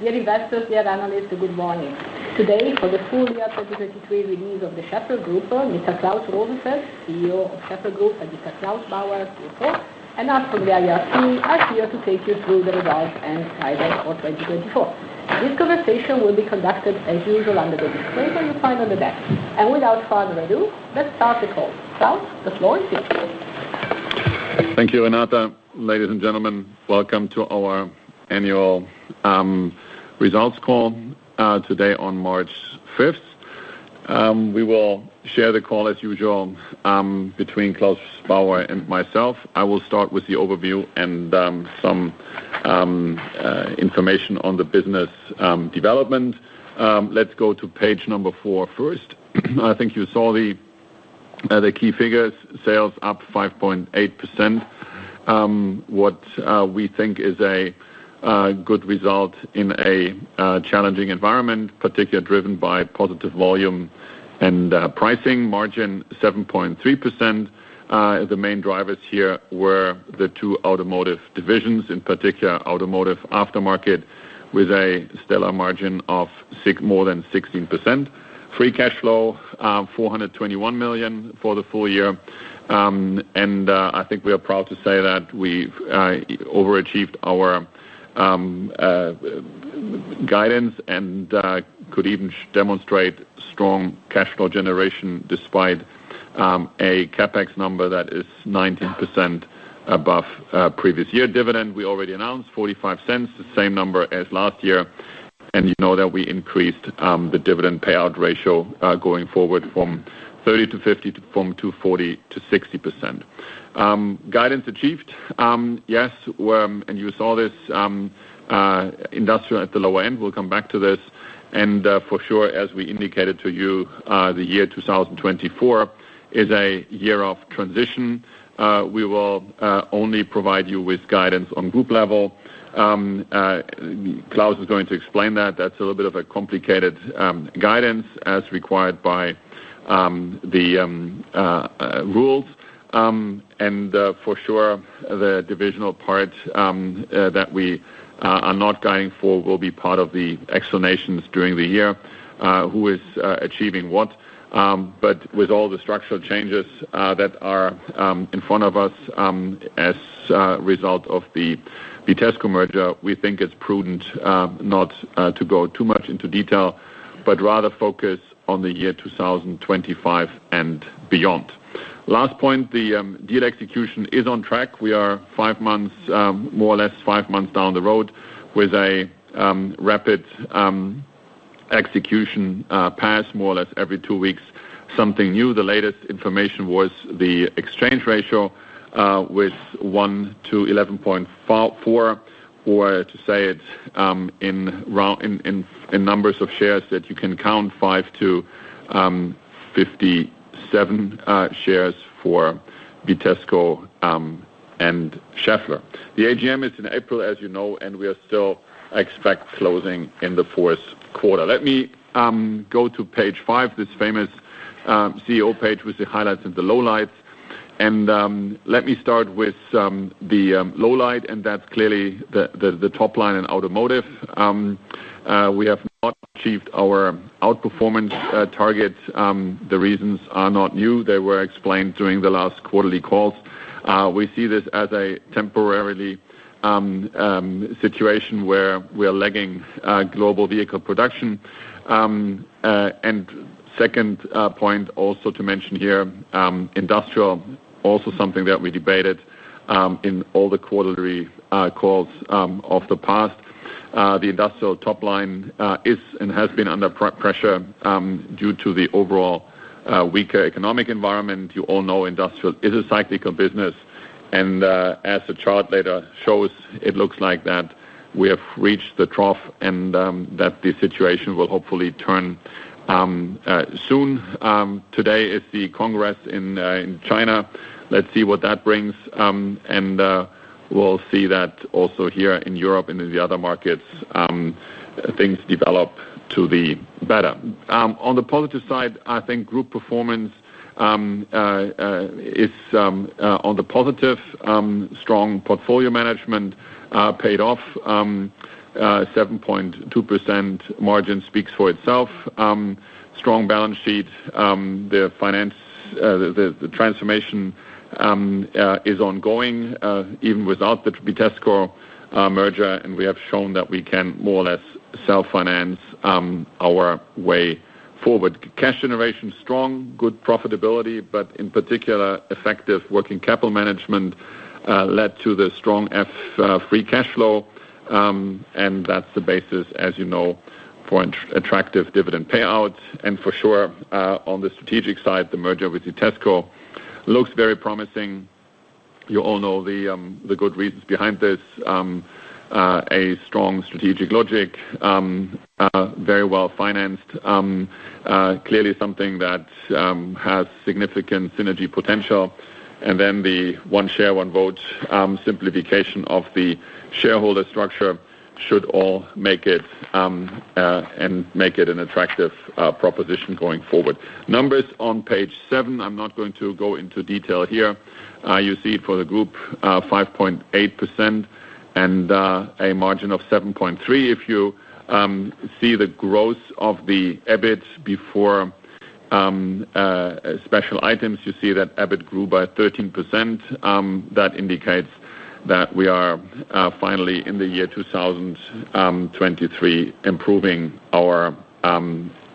Dear investors, dear analysts, a good morning. Today, for the full year 2023 release of the Schaeffler Group, Mr. Klaus Rosenfeld, CEO of Schaeffler Group, and Mr. Claus Bauer, CFO, and us from the IRC, are here to take you through the results and guidance for 2024. This conversation will be conducted, as usual, under the disclaimer you find on the deck. Without further ado, let's start the call. Klaus, the floor is yours. Thank you, Renata. Ladies and gentlemen, welcome to our annual results call today on March 5th. We will share the call, as usual, between Claus Bauer and myself. I will start with the overview and some information on the business development. Let's go to page number 4 first. I think you saw the key figures: sales up 5.8%, what we think is a good result in a challenging environment, particularly driven by positive volume and pricing. Margin 7.3%. The main drivers here were the two automotive divisions, in particular Automotive Aftermarket, with a stellar margin of significantly more than 16%. Free cash flow 421 million for the full year. And I think we are proud to say that we've overachieved our guidance and could even demonstrate strong cash flow generation despite a CapEx number that is 19% above previous year dividend. We already announced 0.45, the same number as last year, and you know that we increased the dividend payout ratio going forward from 30% -50% to from 240%-60%. Guidance achieved. Yes, we're and you saw this, Industrial at the lower end. We'll come back to this. For sure, as we indicated to you, the year 2024 is a year of transition. We will only provide you with guidance on group level. Claus is going to explain that. That's a little bit of a complicated guidance as required by the rules. For sure, the divisional part that we are not guiding for will be part of the explanations during the year, who is achieving what. but with all the structural changes that are in front of us as a result of the Vitesco convergence, we think it's prudent not to go too much into detail, but rather focus on the year 2025 and beyond. Last point, the deal execution is on track. We are five months, more or less five months down the road with a rapid execution pace more or less every two weeks, something new. The latest information was the exchange ratio with 1 to 11.4, or to say it in round numbers of shares that you can count 5 to 57 shares for Vitesco and Schaeffler. The AGM is in April, as you know, and we still expect closing in the fourth quarter. Let me go to page five, this famous CEO page with the highlights and the lowlights. Let me start with the lowlight, and that's clearly the top line in automotive. We have not achieved our outperformance target. The reasons are not new. They were explained during the last quarterly calls. We see this as a temporary situation where we are lagging global vehicle production. Second, also something to mention here, Industrial, also something that we debated in all the quarterly calls of the past. The Industrial top line is and has been under pressure due to the overall weaker economic environment. You all know Industrial is a cyclical business. As the chart later shows, it looks like we have reached the trough and that the situation will hopefully turn soon. Today is the Congress in China. Let's see what that brings. We'll see that also here in Europe and in the other markets things develop to the better. On the positive side, I think group performance is on the positive. Strong portfolio management paid off. 7.2% margin speaks for itself. Strong balance sheet. The financial transformation is ongoing, even without the Vitesco merger, and we have shown that we can more or less self-finance our way forward. Cash generation strong, good profitability, but in particular, effective working capital management led to the strong free cash flow. And that's the basis, as you know, for an attractive dividend payout. And for sure, on the strategic side, the merger with Vitesco looks very promising. You all know the good reasons behind this. A strong strategic logic, very well-financed, clearly something that has significant synergy potential. And then the one share, one vote simplification of the shareholder structure should all make it an attractive proposition going forward. Numbers on page seven. I'm not going to go into detail here. You see it for the group, 5.8% and a margin of 7.3%. If you see the growth of the EBIT before special items, you see that EBIT grew by 13%. That indicates that we are finally in the year 2023 improving our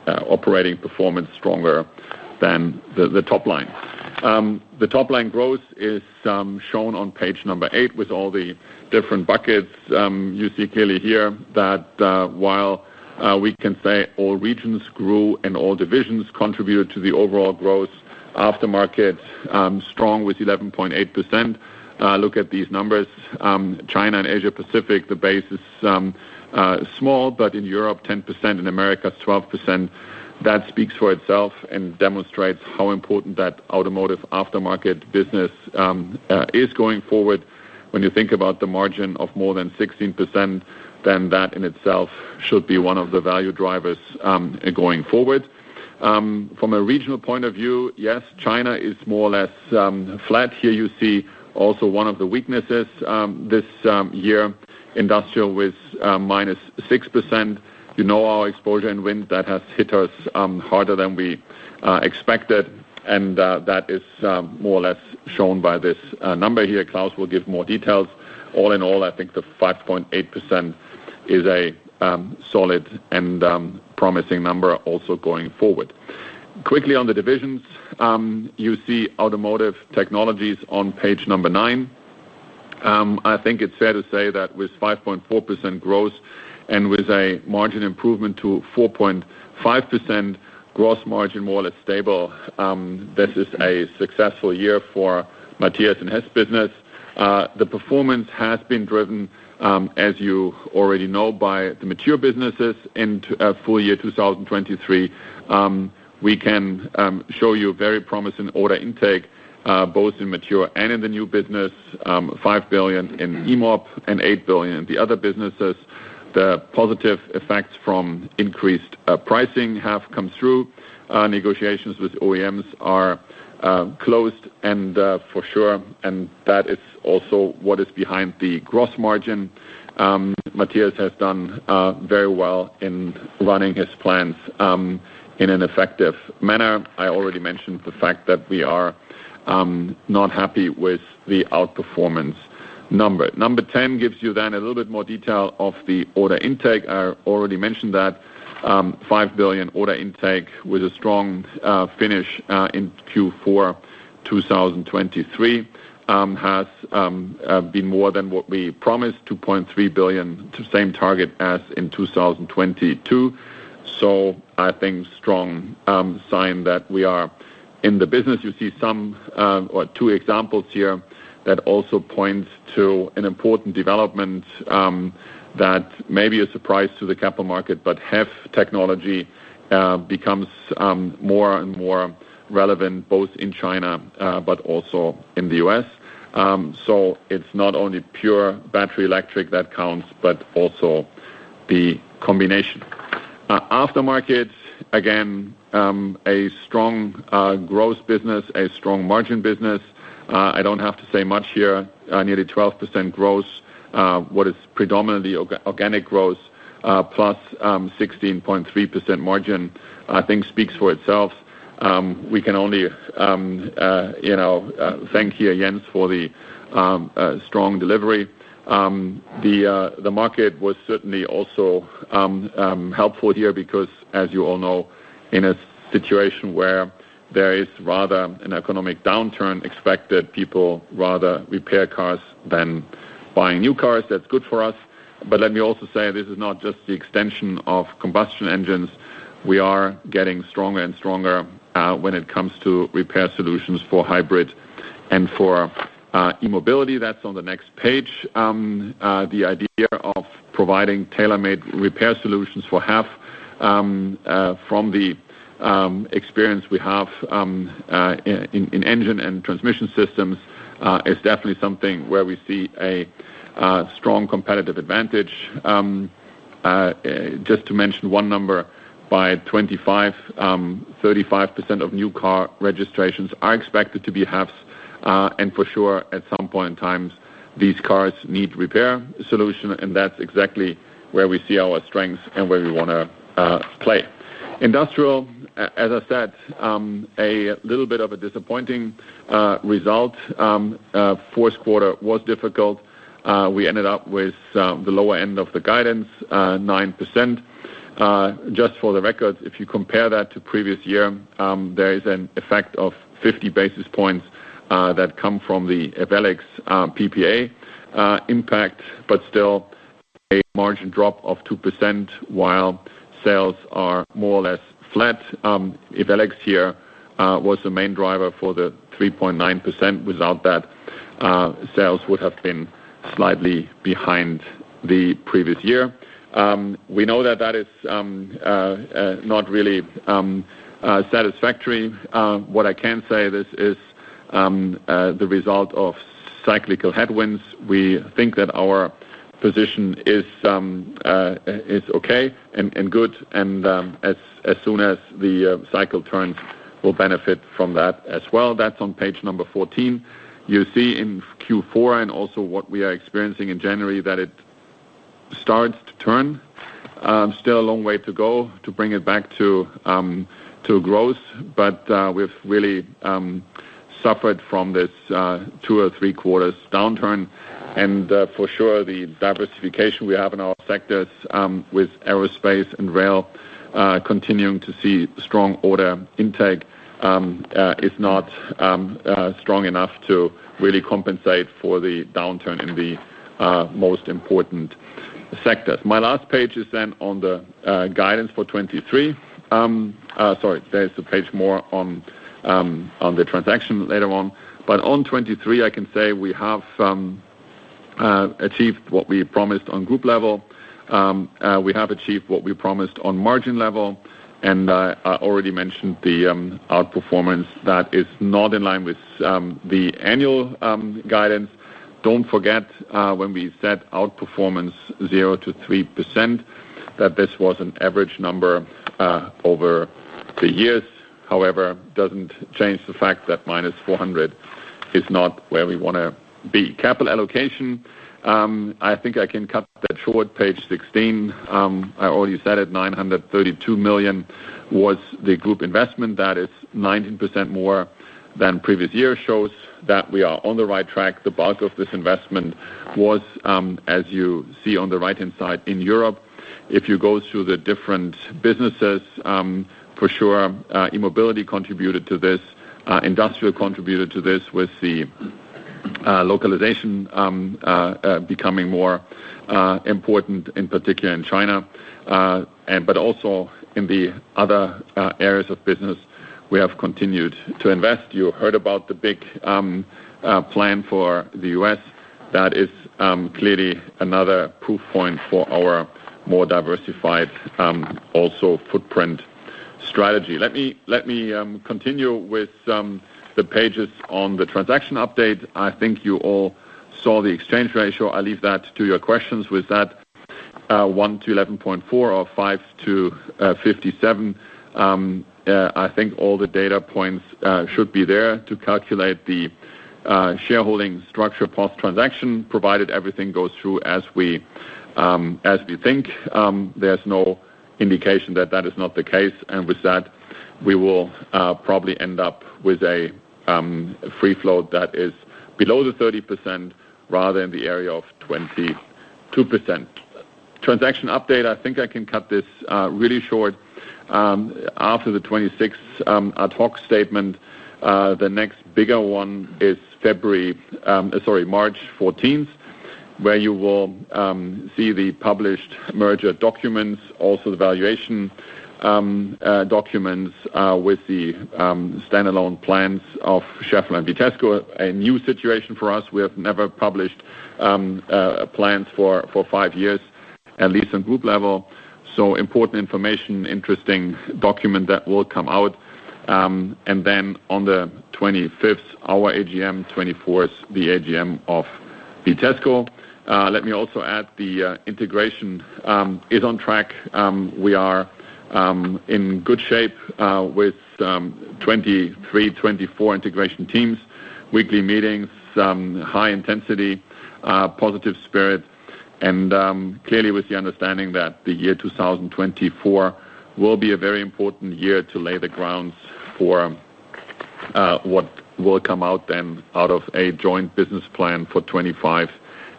operating performance stronger than the top line. The top line growth is shown on page number 8 with all the different buckets. You see clearly here that while we can say all regions grew and all divisions contributed to the overall growth, Aftermarket strong with 11.8%. Look at these numbers. China and Asia Pacific, the base is small, but in Europe, 10%. In America, 12%. That speaks for itself and demonstrates how important that Automotive Aftermarket business is going forward. When you think about the margin of more than 16%, then that in itself should be one of the value drivers, going forward. From a regional point of view, yes, China is more or less flat. Here you see also one of the weaknesses, this year, Industrial with -6%. You know our exposure in wind. That has hit us harder than we expected. That is more or less shown by this number here. Claus will give more details. All in all, I think the 5.8% is a solid and promising number also going forward. Quickly on the divisions, you see Automotive Technologies on page number nine. I think it's fair to say that with 5.4% growth and with a margin improvement to 4.5%, gross margin more or less stable. This is a successful year for Matthias and his business. The performance has been driven, as you already know, by the mature businesses in full year 2023. We can show you a very promising order intake, both in mature and in the new business, 5 billion in E-Mobility and 8 billion in the other businesses. The positive effects from increased pricing have come through. Negotiations with OEMs are closed, and for sure, that is also what is behind the gross margin. Matthias has done very well in running his plans in an effective manner. I already mentioned the fact that we are not happy with the outperformance number. Number 10 gives you then a little bit more detail of the order intake. I already mentioned that 5 billion order intake with a strong finish in Q4 2023 has been more than what we promised, 2.3 billion, same target as in 2022. So I think [it's a] strong sign that we are in the business. You see some or two examples here that also point to an important development, that may be a surprise to the capital market, but HEV technology becomes more and more relevant both in China, but also in the US. So it's not only pure battery electric that counts, but also the combination. Aftermarket, again, a strong gross business, a strong margin business. I don't have to say much here. Nearly 12% gross, what is predominantly organic growth, plus 16.3% margin, I think speaks for itself. We can only, you know, thank here, Jens, for the strong delivery. The market was certainly also helpful here because, as you all know, in a situation where there is rather an economic downturn expected, people rather repair cars than buying new cars. That's good for us. But let me also say this is not just the extension of combustion engines. We are getting stronger and stronger, when it comes to repair solutions for hybrid and for E-Mobility. That's on the next page. The idea of providing tailor-made repair solutions for HEV, from the experience we have in engine and transmission systems, is definitely something where we see a strong competitive advantage. Just to mention one number, by 2025, 35% of new car registrations are expected to be HEVs. And for sure, at some point in time, these cars need repair solution, and that's exactly where we see our strengths and where we want to play. Industrial, as I said, a little bit of a disappointing result. Fourth quarter was difficult. We ended up with the lower end of the guidance, 9%. Just for the record, if you compare that to previous year, there is an effect of 50 basis points that come from the Ewellix PPA impact, but still a margin drop of 2% while sales are more or less flat. Ewellix here was the main driver for the 3.9%. Without that, sales would have been slightly behind the previous year. We know that that is not really satisfactory. What I can say, this is the result of cyclical headwinds. We think that our position is okay and good. As soon as the cycle turns, we'll benefit from that as well. That's on page 14. You see in Q4 and also what we are experiencing in January that it starts to turn. Still a long way to go to bring it back to growth. We've really suffered from this two or three quarters downturn. For sure, the diversification we have in our sectors, with aerospace and rail, continuing to see strong order intake, is not strong enough to really compensate for the downturn in the most important sectors. My last page is then on the guidance for 2023. Sorry, there's a page more on the transaction later on. But on 2023, I can say we have achieved what we promised on group level. We have achieved what we promised on margin level. And I already mentioned the outperformance that is not in line with the annual guidance. Don't forget, when we set outperformance 0%-3%, that this was an average number over the years. However, it doesn't change the fact that -400 is not where we want to be. Capital allocation, I think I can cut that short. Page 16, I already said it, 932 million was the group investment. That is 19% more than previous year shows that we are on the right track. The bulk of this investment was, as you see on the right-hand side, in Europe. If you go through the different businesses, for sure, E-Mobility contributed to this, Industrial contributed to this with the localization becoming more important, in particular in China. But also in the other areas of business, we have continued to invest. You heard about the big plan for the U.S. That is clearly another proof point for our more diversified also footprint strategy. Let me continue with the pages on the transaction update. I think you all saw the exchange ratio. I'll leave that to your questions with that, 1 to 11.4 or 5 to 57. I think all the data points should be there to calculate the shareholding structure post-transaction, provided everything goes through as we think. There's no indication that that is not the case. And with that, we will probably end up with a free float that is below the 30% rather than the area of 22%. Transaction update, I think I can cut this really short. After the 26th ad hoc statement, the next bigger one is February, sorry, March 14th, where you will see the published merger documents, also the valuation documents, with the standalone plans of Schaeffler and Vitesco. A new situation for us. We have never published plans for five years, at least on group level. So important information, interesting document that will come out. And then on the 25th, our AGM, 24th, the AGM of Vitesco. Let me also add the integration is on track. We are in good shape with 23-24 integration teams, weekly meetings, high intensity, positive spirit, and clearly with the understanding that the year 2024 will be a very important year to lay the grounds for what will come out then out of a joint business plan for 2025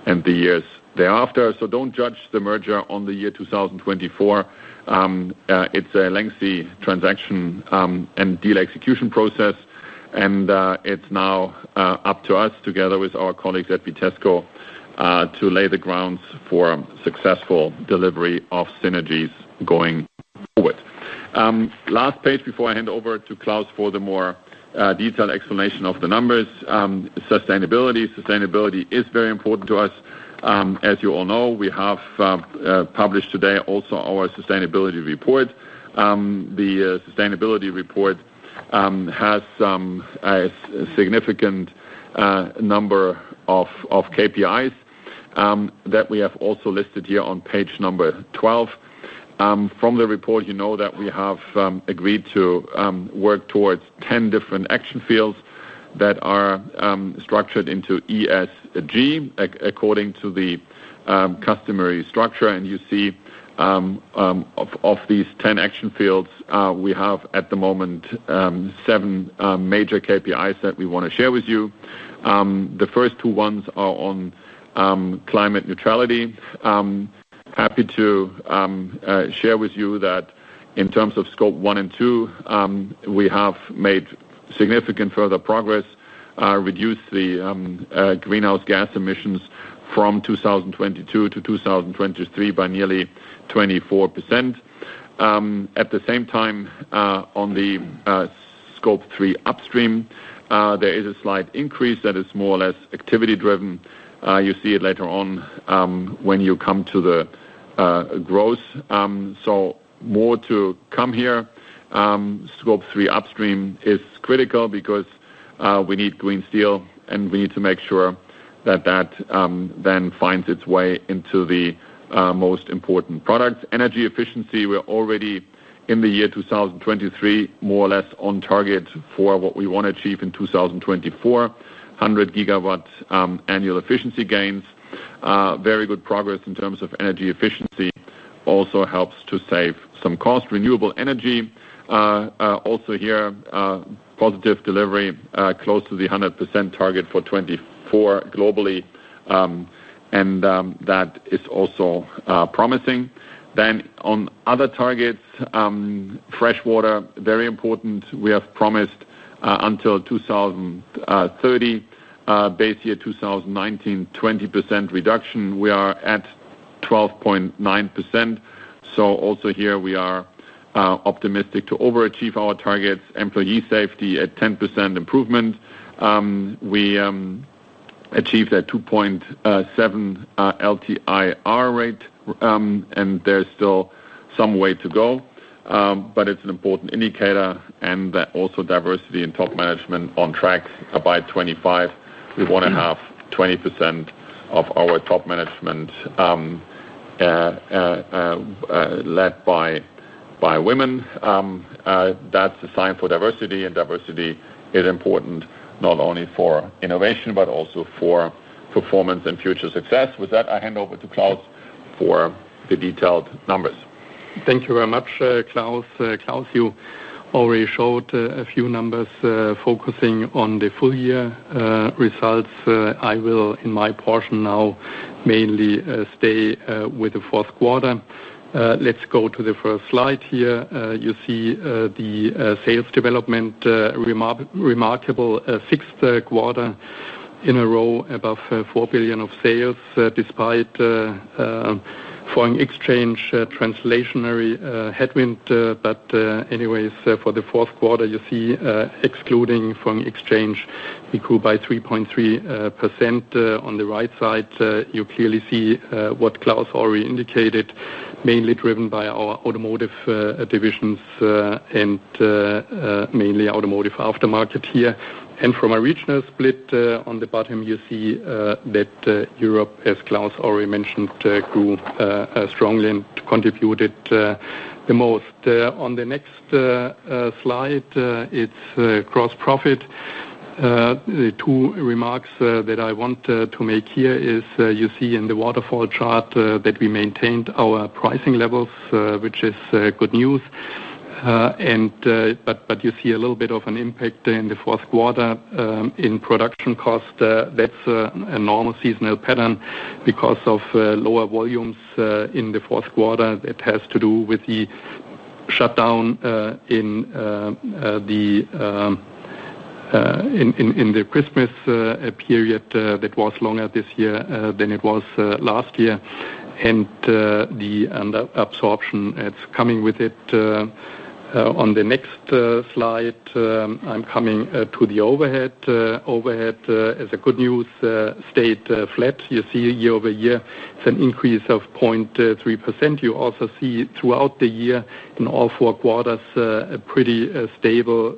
and the years thereafter. So don't judge the merger on the year 2024. It's a lengthy transaction and deal execution process. And it's now up to us together with our colleagues at Vitesco to lay the grounds for successful delivery of synergies going forward. Last page before I hand over to Claus for the more detailed explanation of the numbers: sustainability. Sustainability is very important to us. As you all know, we have published today also our sustainability report. The sustainability report has a significant number of KPIs that we have also listed here on page 12. From the report, you know that we have agreed to work towards 10 different action fields that are structured into ESG according to the customary structure. And you see of these 10 action fields, we have at the moment seven major KPIs that we want to share with you. The first two ones are on climate neutrality. Happy to share with you that in terms of Scope 1 and 2, we have made significant further progress, reduced the greenhouse gas emissions from 2022 to 2023 by nearly 24%. At the same time, on the Scope 3 upstream, there is a slight increase that is more or less activity driven. You see it later on, when you come to the growth. So more to come here. Scope 3 upstream is critical because we need green steel and we need to make sure that that then finds its way into the most important products. Energy efficiency, we're already in the year 2023 more or less on target for what we want to achieve in 2024, 100 GW annual efficiency gains. Very good progress in terms of energy efficiency. Also helps to save some cost. Renewable energy, also here, positive delivery, close to the 100% target for 2024 globally. And that is also promising. Then on other targets, freshwater, very important. We have promised until 2030, base year 2019, 20% reduction. We are at 12.9%. So also here we are optimistic to overachieve our targets. Employee safety at 10% improvement. We achieved a 2.7 LTIR rate, and there's still some way to go. But it's an important indicator. And that also diversity in top management on track by 2025. We want to have 20% of our top management, led by women. That's a sign for diversity. And diversity is important not only for innovation, but also for performance and future success. With that, I hand over to Claus for the detailed numbers. Thank you very much, Klaus. Klaus, you already showed a few numbers, focusing on the full-year results. I will, in my portion now, mainly stay with the fourth quarter. Let's go to the first slide here. You see the sales development, remarkable, sixth quarter in a row above 4 billion of sales, despite foreign exchange translational headwind. But anyways, for the fourth quarter, you see, excluding foreign exchange, we grew by 3.3%. On the right side, you clearly see what Klaus already indicated, mainly driven by our automotive divisions, and mainly Automotive Aftermarket here. From a regional split, on the bottom, you see that Europe, as Klaus already mentioned, grew strongly and contributed the most. On the next slide, it's gross profit. The two remarks that I want to make here is, you see in the waterfall chart that we maintained our pricing levels, which is good news. But you see a little bit of an impact in the fourth quarter in production cost. That's a normal seasonal pattern because of lower volumes in the fourth quarter. That has to do with the shutdown in the Christmas period that was longer this year than it was last year. And the underabsorption it's coming with it. On the next slide, I'm coming to the overhead. Overhead is good news. Stayed flat. You see year-over-year, it's an increase of 0.3%. You also see throughout the year in all four quarters a pretty stable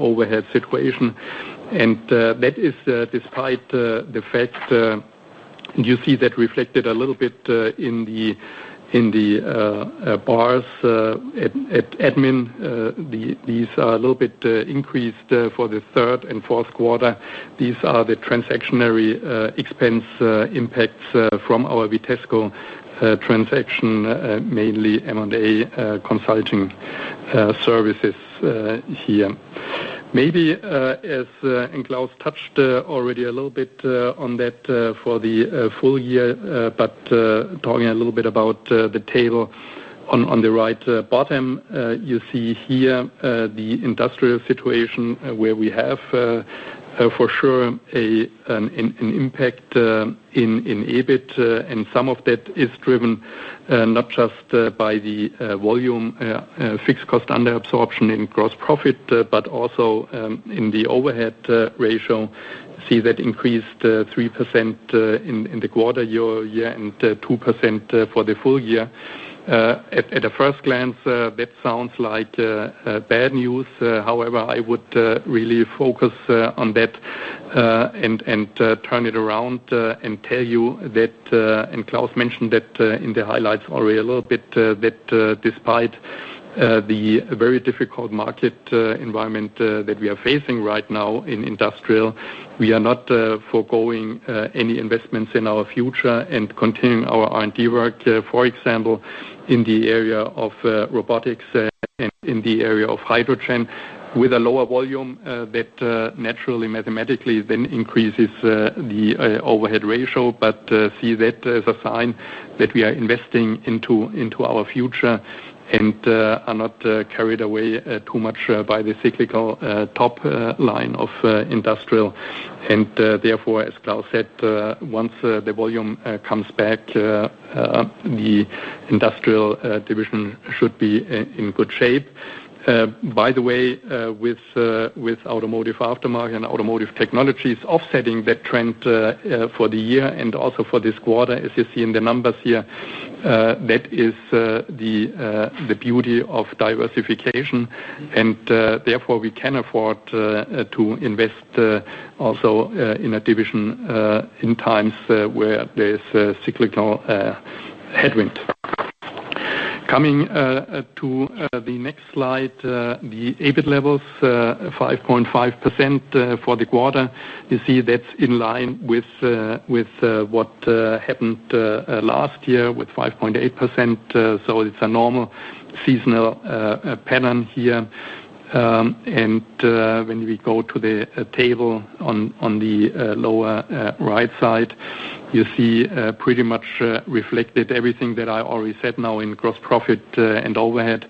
overhead situation. And that is despite the fact, and you see that reflected a little bit in the bars at admin. These are a little bit increased for the third and fourth quarter. These are the transactional expense impacts from our Vitesco transaction, mainly M&A consulting services here. Maybe, as Klaus touched already a little bit on that for the full year, but talking a little bit about the table on the right bottom, you see here the Industrial situation where we have for sure an impact in EBIT. And some of that is driven not just by the volume fixed cost underabsorption in gross profit, but also in the overhead ratio. See that increased 3% in the quarter year-over-year and 2% for the full year. At a first glance, that sounds like bad news. However, I would really focus on that and turn it around and tell you that, and Klaus mentioned that in the highlights already a little bit, that despite the very difficult market environment that we are facing right now in Industrial, we are not foregoing any investments in our future and continuing our R&D work, for example, in the area of robotics, and in the area of hydrogen with a lower volume, that naturally, mathematically then increases the overhead ratio. But see that as a sign that we are investing into our future and are not carried away too much by the cyclical top line of Industrial. And therefore, as Klaus said, once the volume comes back, the Industrial division should be in good shape. By the way, with Automotive Aftermarket and automotive technologies offsetting that trend for the year and also for this quarter, as you see in the numbers here, that is the beauty of diversification. And therefore, we can afford to invest also in a division in times where there is a cyclical headwind. Coming to the next slide, the EBIT levels 5.5% for the quarter. You see that's in line with what happened last year with 5.8%. So it's a normal seasonal pattern here. And when we go to the table on the lower right side, you see pretty much reflected everything that I already said now in gross profit and overhead,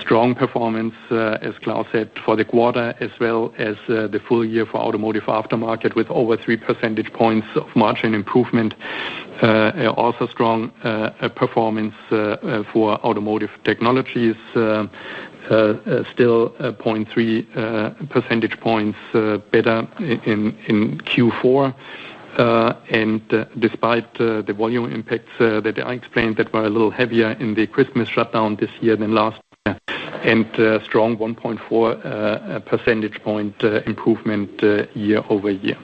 strong performance, as Klaus said, for the quarter as well as the full year for Automotive Aftermarket with over 3 percentage points of margin improvement. Also strong performance for Automotive Technologies, still 0.3 percentage points better in Q4. And despite the volume impacts that I explained that were a little heavier in the Christmas shutdown this year than last year and strong 1.4 percentage point improvement year-over-year.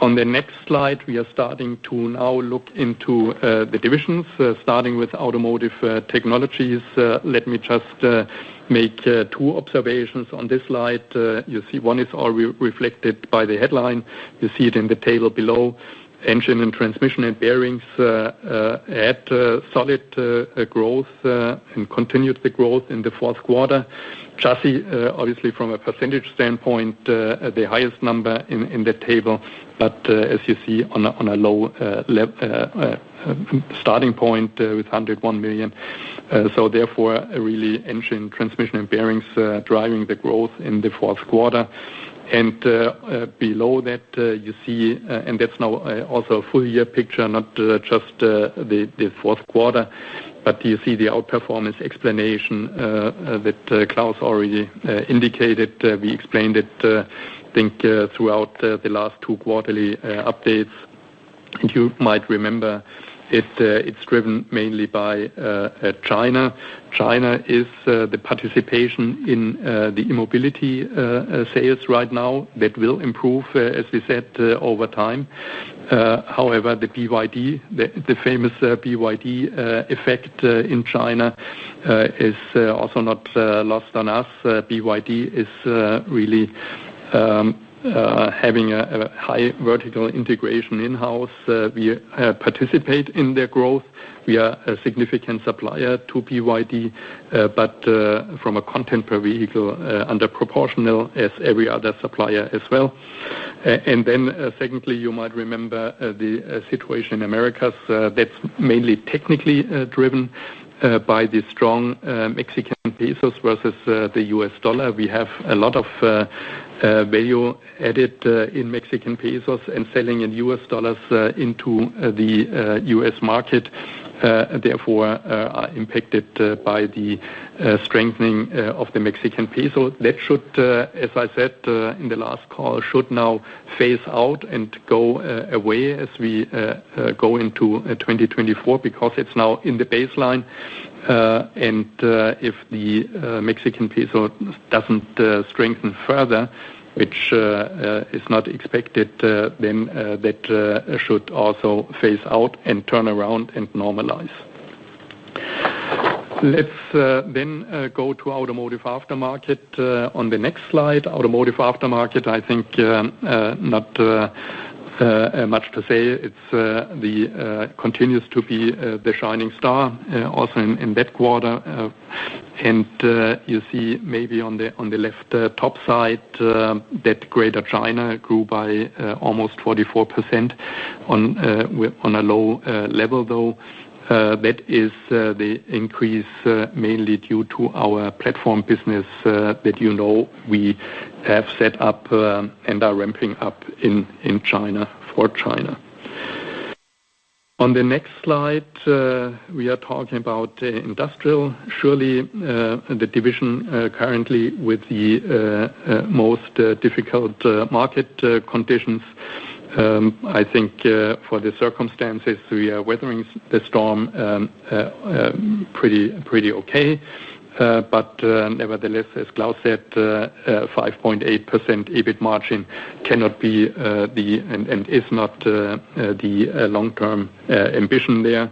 On the next slide, we are starting to now look into the divisions, starting with Automotive Technologies. Let me just make two observations on this slide. You see one is already reflected by the headline. You see it in the table below. Engine and Transmission and Bearings had solid growth and continued the growth in the fourth quarter. Chassis, obviously from a percentage standpoint, the highest number in the table, but as you see on a low level starting point with 101 million. So therefore, really Engine, Transmission, and Bearings driving the growth in the fourth quarter. Below that, you see, and that's now also a full year picture, not just the fourth quarter, but do you see the outperformance explanation that Klaus already indicated? We explained it, I think, throughout the last two quarterly updates. You might remember it; it's driven mainly by China. China is the participation in the E-Mobility sales right now that will improve, as we said, over time. However, the BYD, the famous BYD effect in China, is also not lost on us. BYD is really having a high vertical integration in-house. We participate in their growth. We are a significant supplier to BYD, but from a content per vehicle, underproportional as every other supplier as well. And then, secondly, you might remember the situation in Americas. That's mainly technically driven by the strong Mexican pesos versus the US dollar. We have a lot of value added in Mexican pesos and selling in U.S. dollars into the U.S. market, therefore are impacted by the strengthening of the Mexican peso. That should, as I said, in the last call, should now phase out and go away as we go into 2024 because it's now in the baseline. And if the Mexican peso doesn't strengthen further, which is not expected, then that should also phase out and turn around and normalize. Let's then go to Automotive Aftermarket on the next slide. Automotive Aftermarket, I think, not much to say. It's the continues to be the shining star also in in that quarter. And you see maybe on the on the left top side that Greater China grew by almost 44% on on a low level though. that is, the increase, mainly due to our platform business, that you know we have set up, and are ramping up in China for China. On the next slide, we are talking about the Industrial. Surely, the division, currently with the most difficult market conditions. I think, for the circumstances, we are weathering the storm pretty pretty okay. But nevertheless, as Klaus said, 5.8% EBIT margin cannot be the end and is not the long-term ambition there.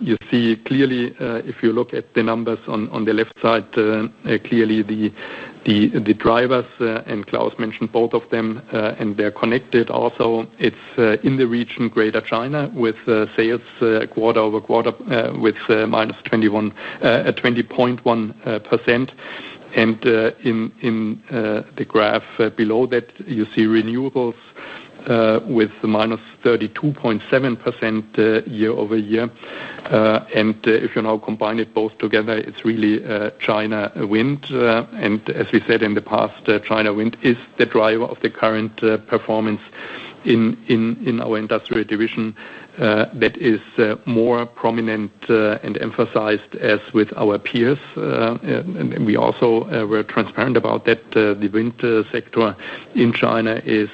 You see clearly, if you look at the numbers on the left side, clearly the drivers, and Klaus mentioned both of them, and they're connected also. It's in the region Greater China with sales quarter-over-quarter with -21.1%. And in the graph below that, you see Renewables with -32.7% year-over-year. And if you now combine both together, it's really China wind. As we said in the past, China wind is the driver of the current performance in our Industrial division, that is more prominent and emphasized as with our peers. And we also were transparent about that. The wind sector in China is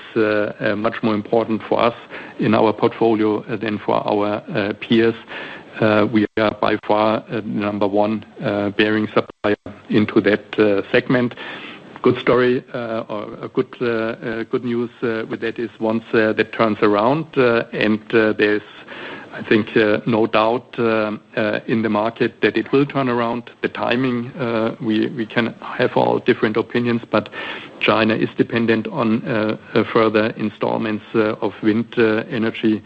much more important for us in our portfolio than for our peers. We are by far the number one bearing supplier into that segment. Good story, or a good good news with that is once that turns around, and there's I think no doubt in the market that it will turn around. The timing we can have all different opinions, but China is dependent on further installments of wind energy.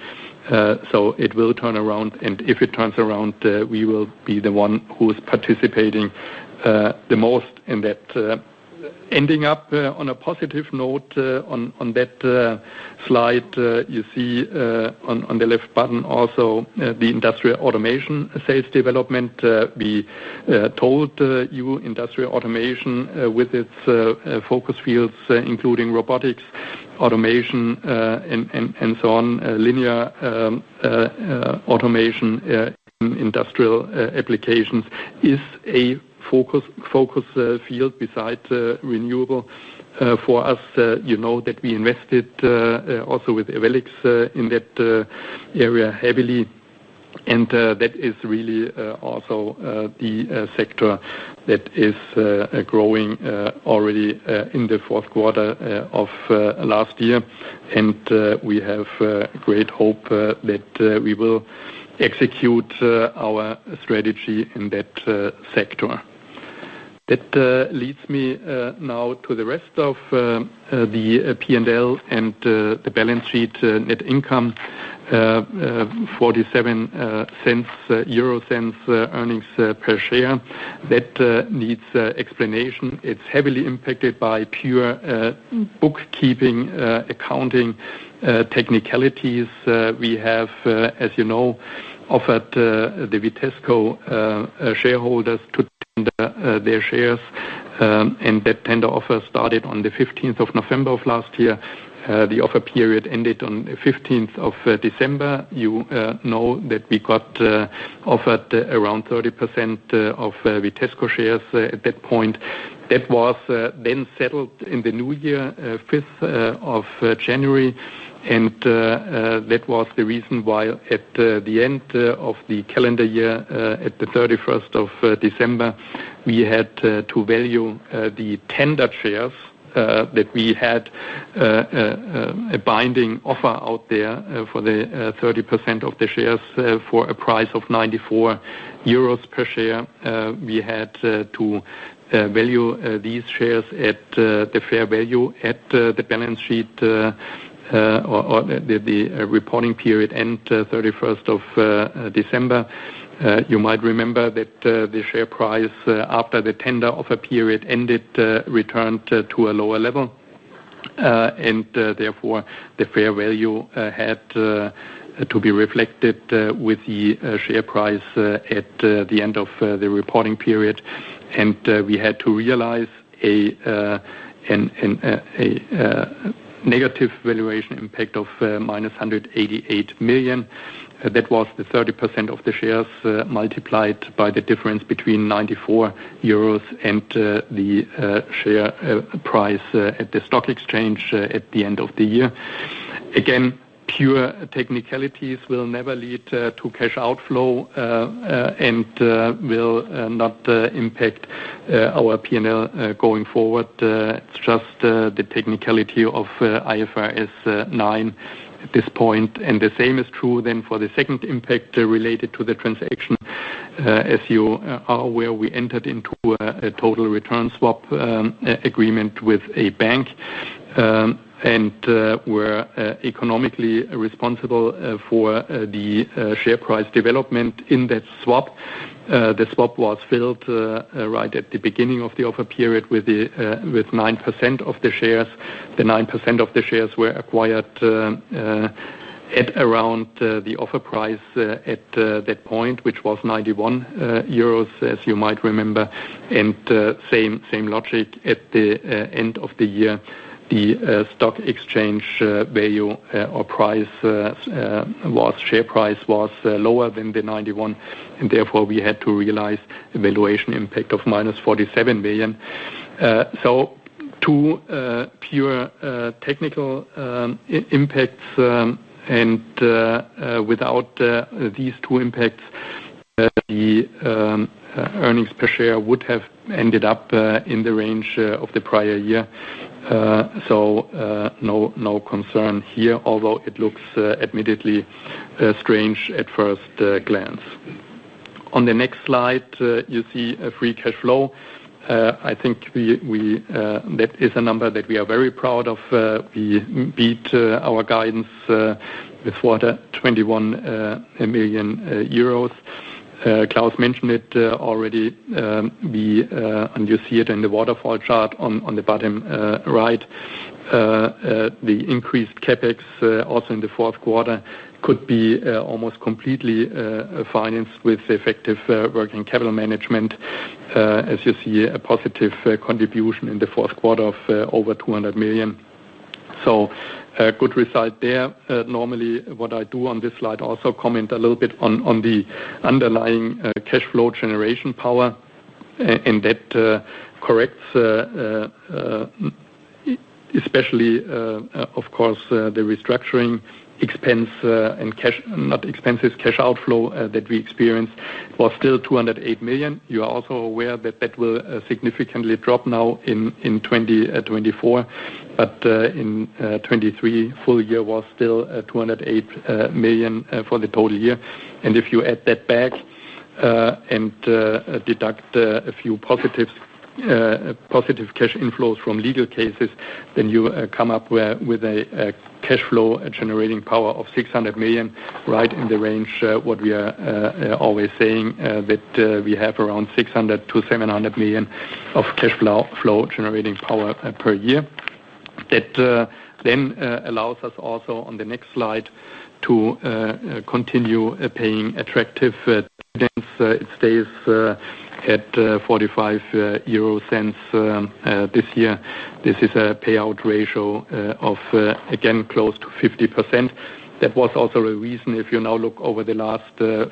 So it will turn around. If it turns around, we will be the one who is participating the most in that, ending up on a positive note on that slide. You see on the left bottom also the Industrial Automation sales development. We told you Industrial Automation with its focus fields, including robotics, automation, and so on, linear automation in Industrial applications is a focus field besides renewable. For us, you know that we invested also with Ewellix in that area heavily. And that is really also the sector that is growing already in the fourth quarter of last year. And we have great hope that we will execute our strategy in that sector. That leads me now to the rest of the P&L and the balance sheet. Net income 0.47 earnings per share. That needs explanation. It's heavily impacted by pure bookkeeping accounting technicalities. We have, as you know, offered the Vitesco shareholders to tender their shares. That tender offer started on the 15th of November of last year. The offer period ended on the 15th of December. You know that we got offered around 30% of Vitesco shares at that point. That was then settled in the new year, 5th of January. That was the reason why at the end of the calendar year, at the 31st of December, we had to value the tender shares that we had a binding offer out there for the 30% of the shares for a price of 94 euros per share. We had to value these shares at the fair value at the balance sheet or the reporting period end, 31st of December. You might remember that the share price, after the tender offer period ended, returned to a lower level. Therefore, the fair value had to be reflected with the share price at the end of the reporting period. We had to realize a negative valuation impact of -188 million. That was the 30% of the shares, multiplied by the difference between 94 euros and the share price at the stock exchange at the end of the year. Again, pure technicalities will never lead to cash outflow and will not impact our P&L going forward. It's just the technicality of IFRS 9 at this point. The same is true then for the second impact related to the transaction. As you are aware, we entered into a total return swap agreement with a bank and were economically responsible for the share price development in that swap. The swap was filled right at the beginning of the offer period with 9% of the shares. The 9% of the shares were acquired at around the offer price at that point, which was 91 euros, as you might remember. And the same logic at the end of the year. The stock exchange value or share price was lower than the 91. And therefore, we had to realize a valuation impact of minus 47 million. So two pure technical impacts, and without these two impacts, the earnings per share would have ended up in the range of the prior year. So no concern here, although it looks admittedly strange at first glance. On the next slide, you see a free cash flow. I think that is a number that we are very proud of. We beat our guidance with 21 million euros. Klaus mentioned it already. We, and you see it in the waterfall chart on the bottom right. The increased CapEx also in the fourth quarter could be almost completely financed with effective working capital management, as you see a positive contribution in the fourth quarter of over 200 million. So, good result there. Normally, what I do on this slide also comment a little bit on the underlying cash flow generation power. And that corrects especially of course the restructuring expense, and cash not expenses, cash outflow that we experienced was still 208 million. You are also aware that that will significantly drop now in 2024. But in 2023, full year was still 208 million for the total year. If you add that back, and deduct a few positives, positive cash inflows from legal cases, then you come up with a cash flow generating power of 600 million right in the range what we are always saying, that we have around 600 million-700 million of cash flow generating power per year. That then allows us also on the next slide to continue paying attractive dividends. It stays at 0.45 this year. This is a payout ratio of, again, close to 50%. That was also a reason if you now look over the last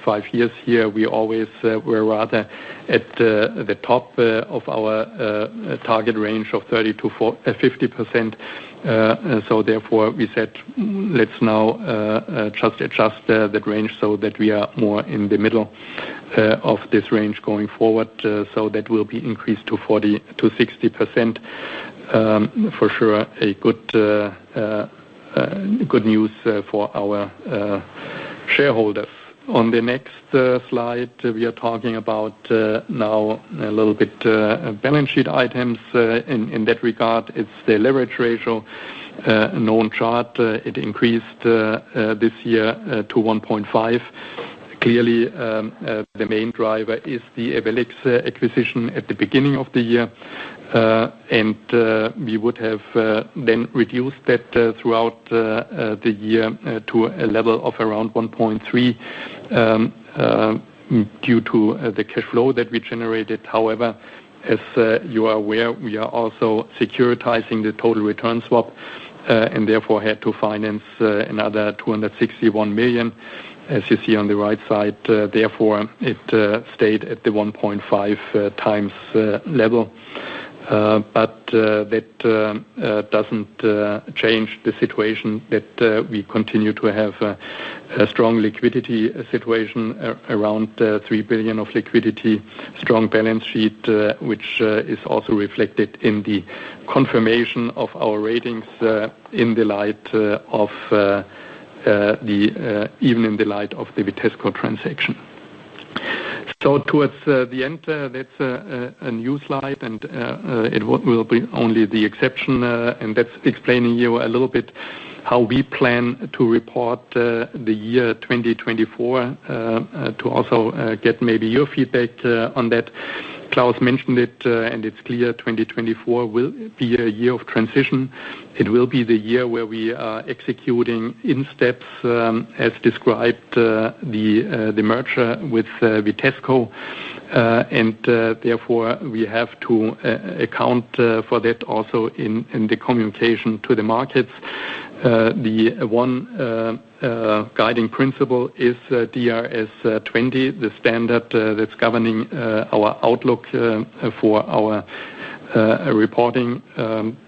five years here, we always were rather at the top of our target range of 30%-50%. So therefore, we said, let's now just adjust that range so that we are more in the middle of this range going forward. So that will be increased to 40%-60%. For sure, a good, good news for our shareholders. On the next slide, we are talking about now a little bit balance sheet items. In that regard, it's the leverage ratio known chart. It increased this year to 1.5. Clearly, the main driver is the Ewellix acquisition at the beginning of the year. We would have then reduced that throughout the year to a level of around 1.3 due to the cash flow that we generated. However, as you are aware, we are also securitizing the Total Return Swap, and therefore had to finance another 261 million, as you see on the right side. Therefore, it stayed at the 1.5x level. That doesn't change the situation that we continue to have a strong liquidity situation around 3 billion of liquidity, strong balance sheet, which is also reflected in the confirmation of our ratings, even in the light of the Vitesco transaction. So towards the end, that's a new slide, and it will be only the exception, and that's explaining you a little bit how we plan to report the year 2024, to also get maybe your feedback on that. Klaus mentioned it, and it's clear 2024 will be a year of transition. It will be the year where we are executing in steps, as described, the merger with Vitesco. Therefore, we have to account for that also in the communication to the markets. The one guiding principle is DRS 20, the standard that's governing our outlook for our reporting.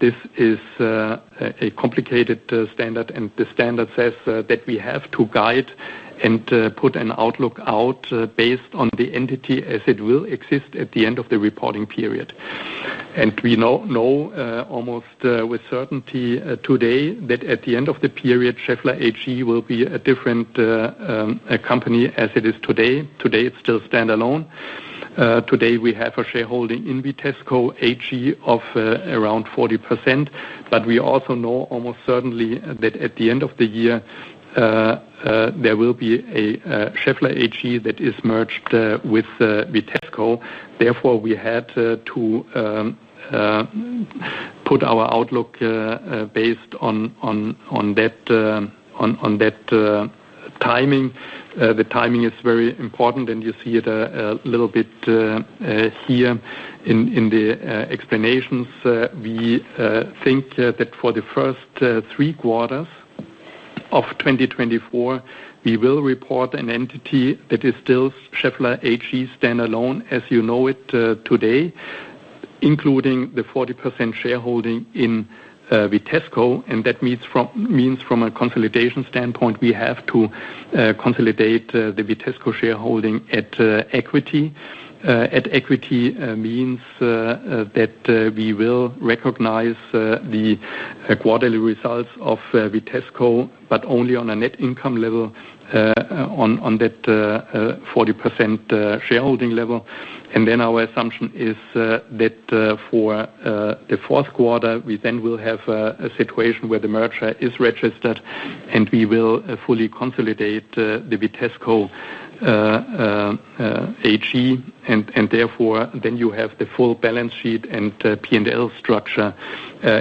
This is a complicated standard, and the standard says that we have to guide and put an outlook out, based on the entity as it will exist at the end of the reporting period. And we now know almost with certainty today that at the end of the period, Schaeffler AG will be a different company as it is today. Today, it's still standalone. Today, we have a shareholding in Vitesco AG of around 40%. But we also know almost certainly that at the end of the year, there will be a Schaeffler AG that is merged with Vitesco. Therefore, we had to put our outlook based on that timing. The timing is very important, and you see it a little bit here in the explanations. We think that for the first three quarters of 2024, we will report an entity that is still Schaeffler AG standalone, as you know it today, including the 40% shareholding in Vitesco. And that means from a consolidation standpoint, we have to consolidate the Vitesco shareholding at equity. At equity means that we will recognize the quarterly results of Vitesco, but only on a net income level, on that 40% shareholding level. And then our assumption is that for the fourth quarter, we then will have a situation where the merger is registered, and we will fully consolidate the Vitesco AG. And therefore, then you have the full balance sheet and P&L structure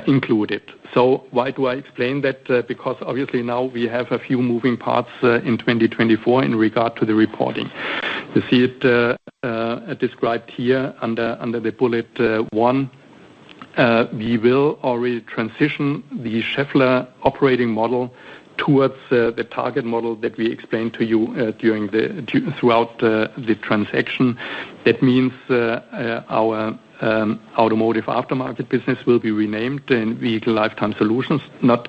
included. So why do I explain that? Because obviously now we have a few moving parts in 2024 in regard to the reporting. You see it described here under the bullet 1. We will already transition the Schaeffler operating model towards the target model that we explained to you during the transaction. That means our Automotive Aftermarket business will be renamed Vehicle Lifetime Solutions, no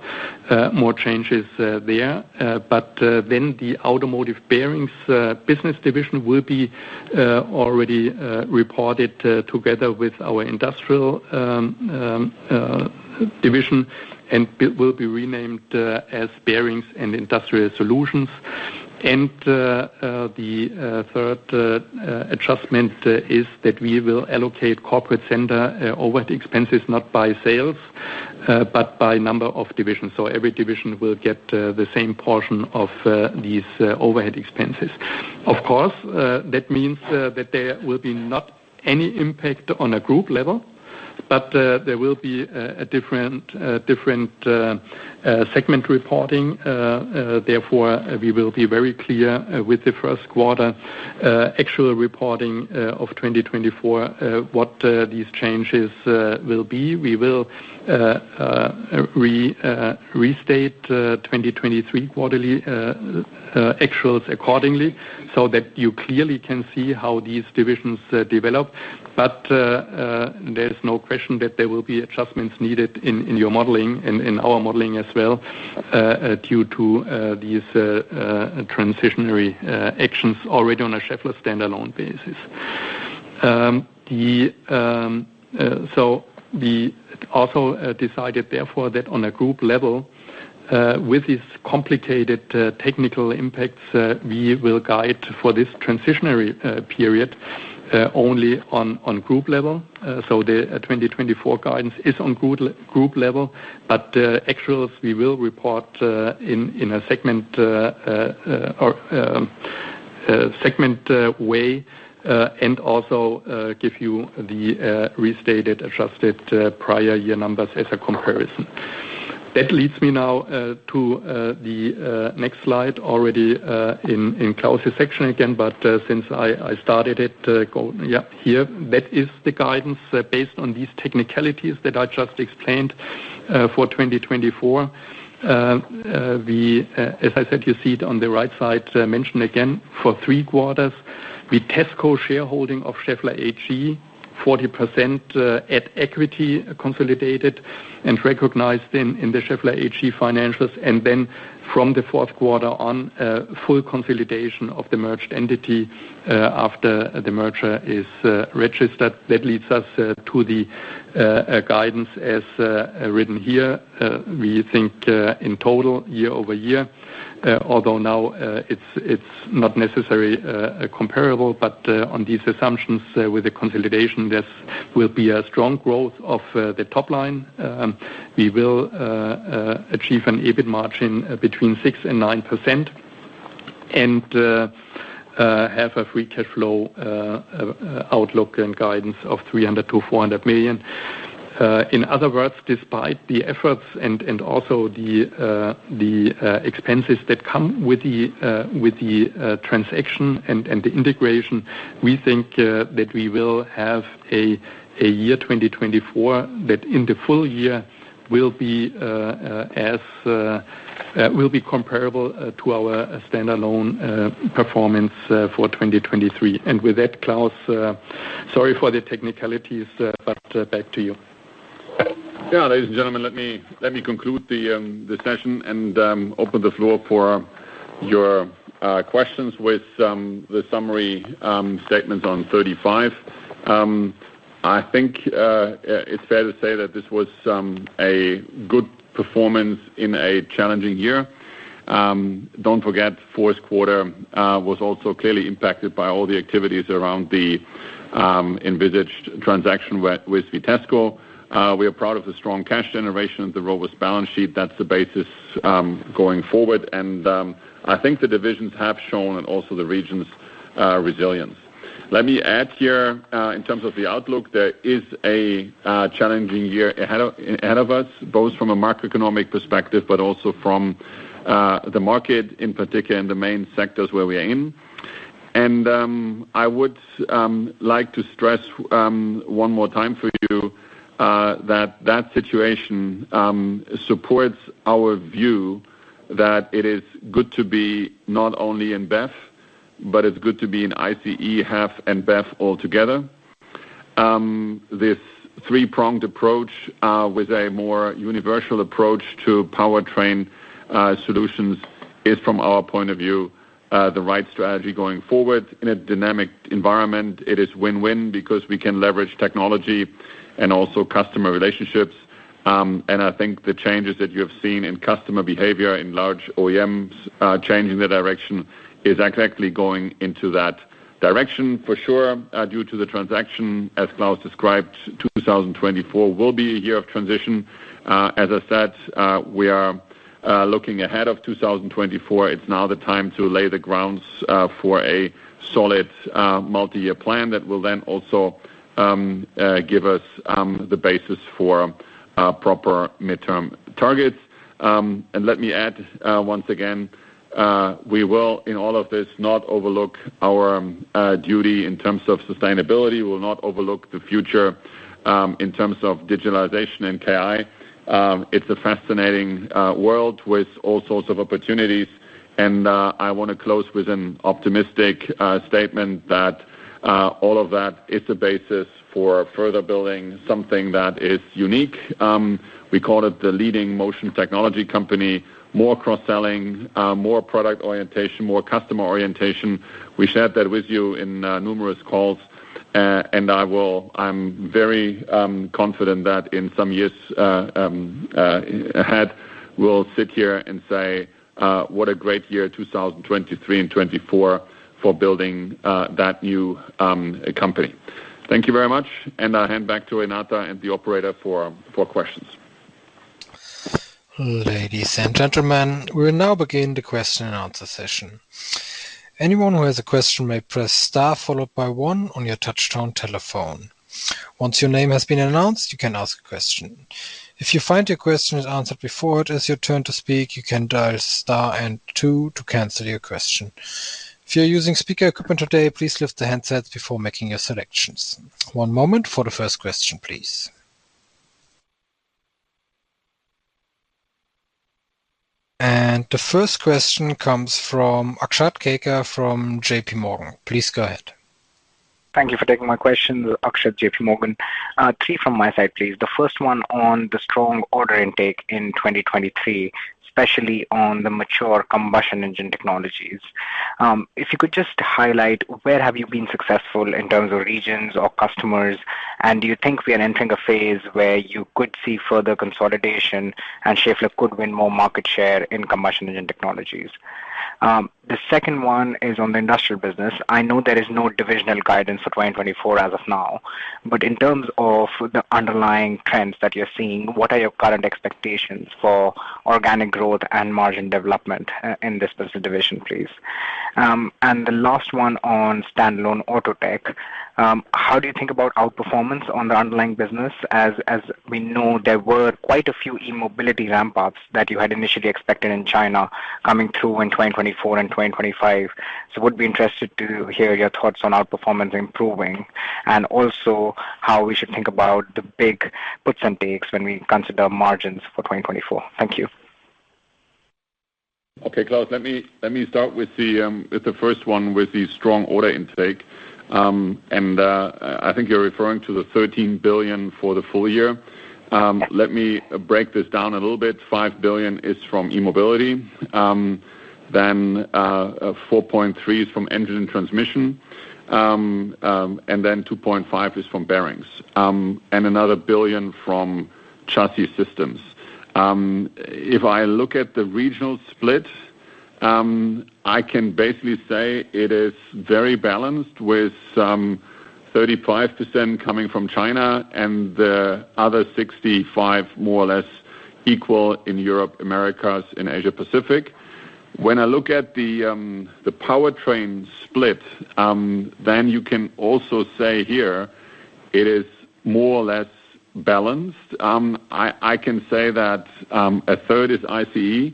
more changes there. But then the Automotive Bearings business division will be already reported together with our Industrial division and will be renamed as Bearings and Industrial Solutions. And the third adjustment is that we will allocate corporate center overhead expenses not by sales, but by number of divisions. So every division will get the same portion of these overhead expenses. Of course, that means that there will be not any impact on a group level, but there will be a different segment reporting. Therefore we will be very clear with the first quarter actual reporting of 2024 what these changes will be. We will restate 2023 quarterly actuals accordingly so that you clearly can see how these divisions develop. But there's no question that there will be adjustments needed in your modeling and in our modeling as well, due to these transitional actions already on a Schaeffler standalone basis. So we also decided therefore that on a group level, with these complicated technical impacts, we will guide for this transitional period only on group level. So the 2024 guidance is on group level, but actuals we will report in a segment way, and also give you the restated adjusted prior year numbers as a comparison. That leads me now to the next slide already in Klaus's section again, but since I started it, yeah, here. That is the guidance based on these technicalities that I just explained, for 2024. We, as I said, you see it on the right side, mentioned again for three quarters, Vitesco shareholding of Schaeffler AG, 40%, at equity consolidated and recognized in the Schaeffler AG financials. And then from the fourth quarter on, full consolidation of the merged entity, after the merger is registered. That leads us to the guidance as written here. We think, in total, year-over-year, although now it's not necessarily comparable, but on these assumptions, with the consolidation, there will be a strong growth of the top line. We will achieve an EBIT margin between 6%-9% and have a free cash flow outlook and guidance of 300 million-400 million. In other words, despite the efforts and also the expenses that come with the transaction and the integration, we think that we will have a year 2024 that in the full year will be comparable to our standalone performance for 2023. And with that, Klaus, sorry for the technicalities, but back to you. Yeah, ladies and gentlemen, let me conclude the session and open the floor for your questions with the summary statements on 35. I think it's fair to say that this was a good performance in a challenging year. Don't forget fourth quarter was also clearly impacted by all the activities around the envisaged transaction with Vitesco. We are proud of the strong cash generation and the robust balance sheet. That's the basis going forward. I think the divisions have shown and also the regions' resilience. Let me add here, in terms of the outlook, there is a challenging year ahead of us, both from a macroeconomic perspective, but also from the market in particular and the main sectors where we are in. I would like to stress one more time for you that that situation supports our view that it is good to be not only in BEV, but it's good to be in ICE, HEV, and BEV altogether. This three-pronged approach, with a more universal approach to powertrain solutions is, from our point of view, the right strategy going forward. In a dynamic environment, it is win-win because we can leverage technology and also customer relationships. I think the changes that you have seen in customer behavior in large OEMs, changing the direction is exactly going into that direction, for sure, due to the transaction. As Claus described, 2024 will be a year of transition. As I said, we are looking ahead of 2024. It's now the time to lay the grounds for a solid multi-year plan that will then also give us the basis for proper midterm targets. Let me add, once again, we will in all of this not overlook our duty in terms of sustainability. We will not overlook the future in terms of digitalization and AI. It's a fascinating world with all sorts of opportunities. I want to close with an optimistic statement that all of that is a basis for further building something that is unique. We call it the leading motion technology company, more cross-selling, more product orientation, more customer orientation. We shared that with you in numerous calls. And I'm very confident that in some years ahead, we'll sit here and say, what a great year 2023 and 2024 for building that new company. Thank you very much. And I'll hand back to Renata and the operator for questions. Ladies and gentlemen, we will now begin the question and answer session. Anyone who has a question may press star followed by 1 on your touch-tone telephone. Once your name has been announced, you can ask a question. If you find your question is answered before it is your turn to speak, you can dial star and 2 to cancel your question. If you're using speaker equipment today, please lift the handsets before making your selections. One moment for the first question, please. The first question comes from Akshat Kedia from JP Morgan. Please go ahead. Thank you for taking my questions, Akshat, JP Morgan. Three from my side, please. The first one on the strong order intake in 2023, especially on the mature combustion engine technologies. If you could just highlight, where have you been successful in terms of regions or customers, and do you think we are entering a phase where you could see further consolidation and Schaeffler could win more market share in combustion engine technologies? The second one is on the Industrial business. I know there is no divisional guidance for 2024 as of now, but in terms of the underlying trends that you're seeing, what are your current expectations for organic growth and margin development in this specific division, please? And the last one on standalone auto tech. How do you think about outperformance on the underlying business? As, as we know, there were quite a few e-mobility ramp-ups that you had initially expected in China coming through in 2024 and 2025. So I would be interested to hear your thoughts on outperformance improving and also how we should think about the big puts and takes when we consider margins for 2024. Thank you. Okay, Claus, let me let me start with the, with the first one with the strong order intake. I think you're referring to the 13 billion for the full year. Let me break this down a little bit. 5 billion is from e-mobility. Then, 4.3 billion is from engine and transmission. And then 2.5 billion is from bearings. And another 1 billion from chassis systems. If I look at the regional split, I can basically say it is very balanced with 35% coming from China and the other 65% more or less equal in Europe, Americas, in Asia-Pacific. When I look at the powertrain split, then you can also say here it is more or less balanced. I can say that a third is ICE.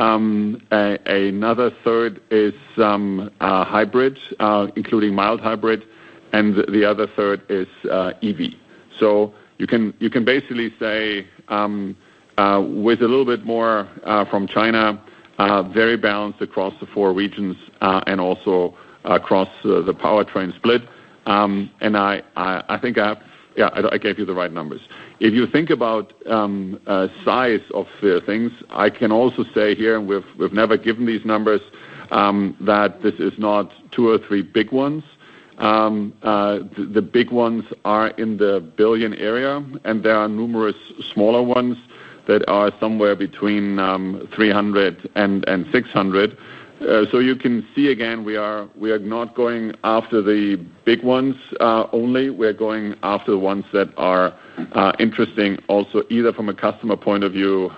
Another third is hybrid, including mild hybrid, and the other third is EV. So you can basically say, with a little bit more from China, very balanced across the four regions, and also across the powertrain split. And I think, yeah, I gave you the right numbers. If you think about size of the things, I can also say here and we've never given these numbers, that this is not two or three big ones. The big ones are in the billion area, and there are numerous smaller ones that are somewhere between 300 million and 600 million. So you can see again, we are not going after the big ones only. We are going after the ones that are interesting also either from a customer point of view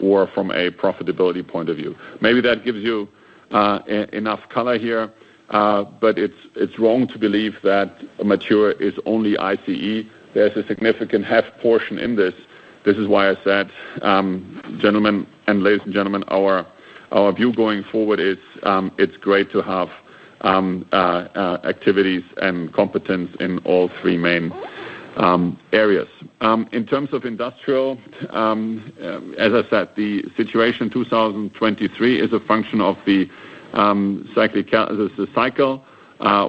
or from a profitability point of view. Maybe that gives you enough color here, but it's wrong to believe that mature is only ICE. There's a significant HEV portion in this. This is why I said, gentlemen and ladies and gentlemen, our view going forward is it's great to have activities and competence in all three main areas. In terms of Industrial, as I said, the situation 2023 is a function of the cyclical. This is the cycle.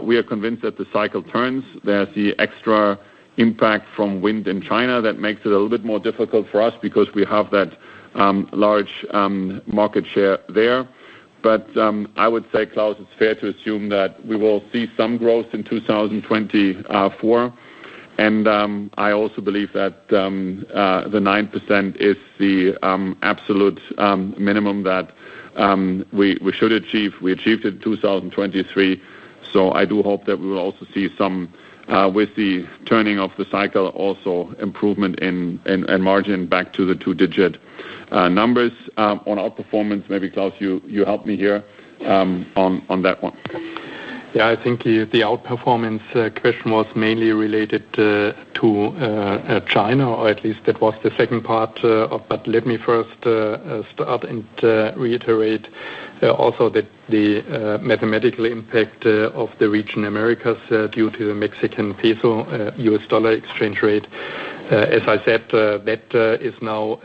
We are convinced that the cycle turns. There's the extra impact from wind in China that makes it a little bit more difficult for us because we have that large market share there. But I would say, Claus, it's fair to assume that we will see some growth in 2024. And I also believe that the 9% is the absolute minimum that we should achieve. We achieved it in 2023. So I do hope that we will also see some, with the turning of the cycle, also improvement in margin back to the two-digit numbers. On outperformance, maybe Claus, you help me here, on that one. Yeah, I think the outperformance question was mainly related to China, or at least that was the second part of, but let me first start and reiterate also that the mathematical impact of the region Americas due to the Mexican peso, U.S. dollar exchange rate. As I said, that is now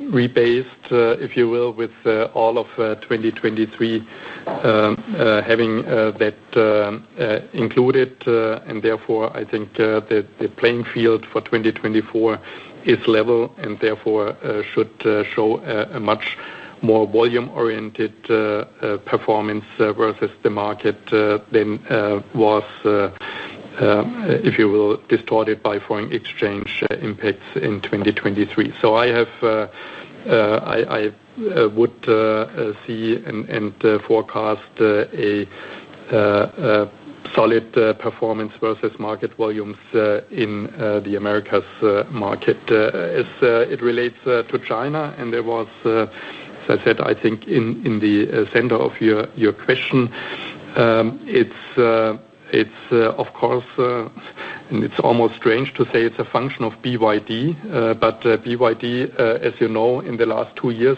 rebased, if you will, with all of 2023 having that included. And therefore, I think the playing field for 2024 is level and therefore should show a much more volume-oriented performance versus the market than was, if you will, distorted by foreign exchange impacts in 2023. So I have, I would see and forecast a solid performance versus market volumes in the Americas market. As it relates to China, and there was, as I said, I think in the center of your question, it's of course, and it's almost strange to say it's a function of BYD, but BYD, as you know, in the last two years,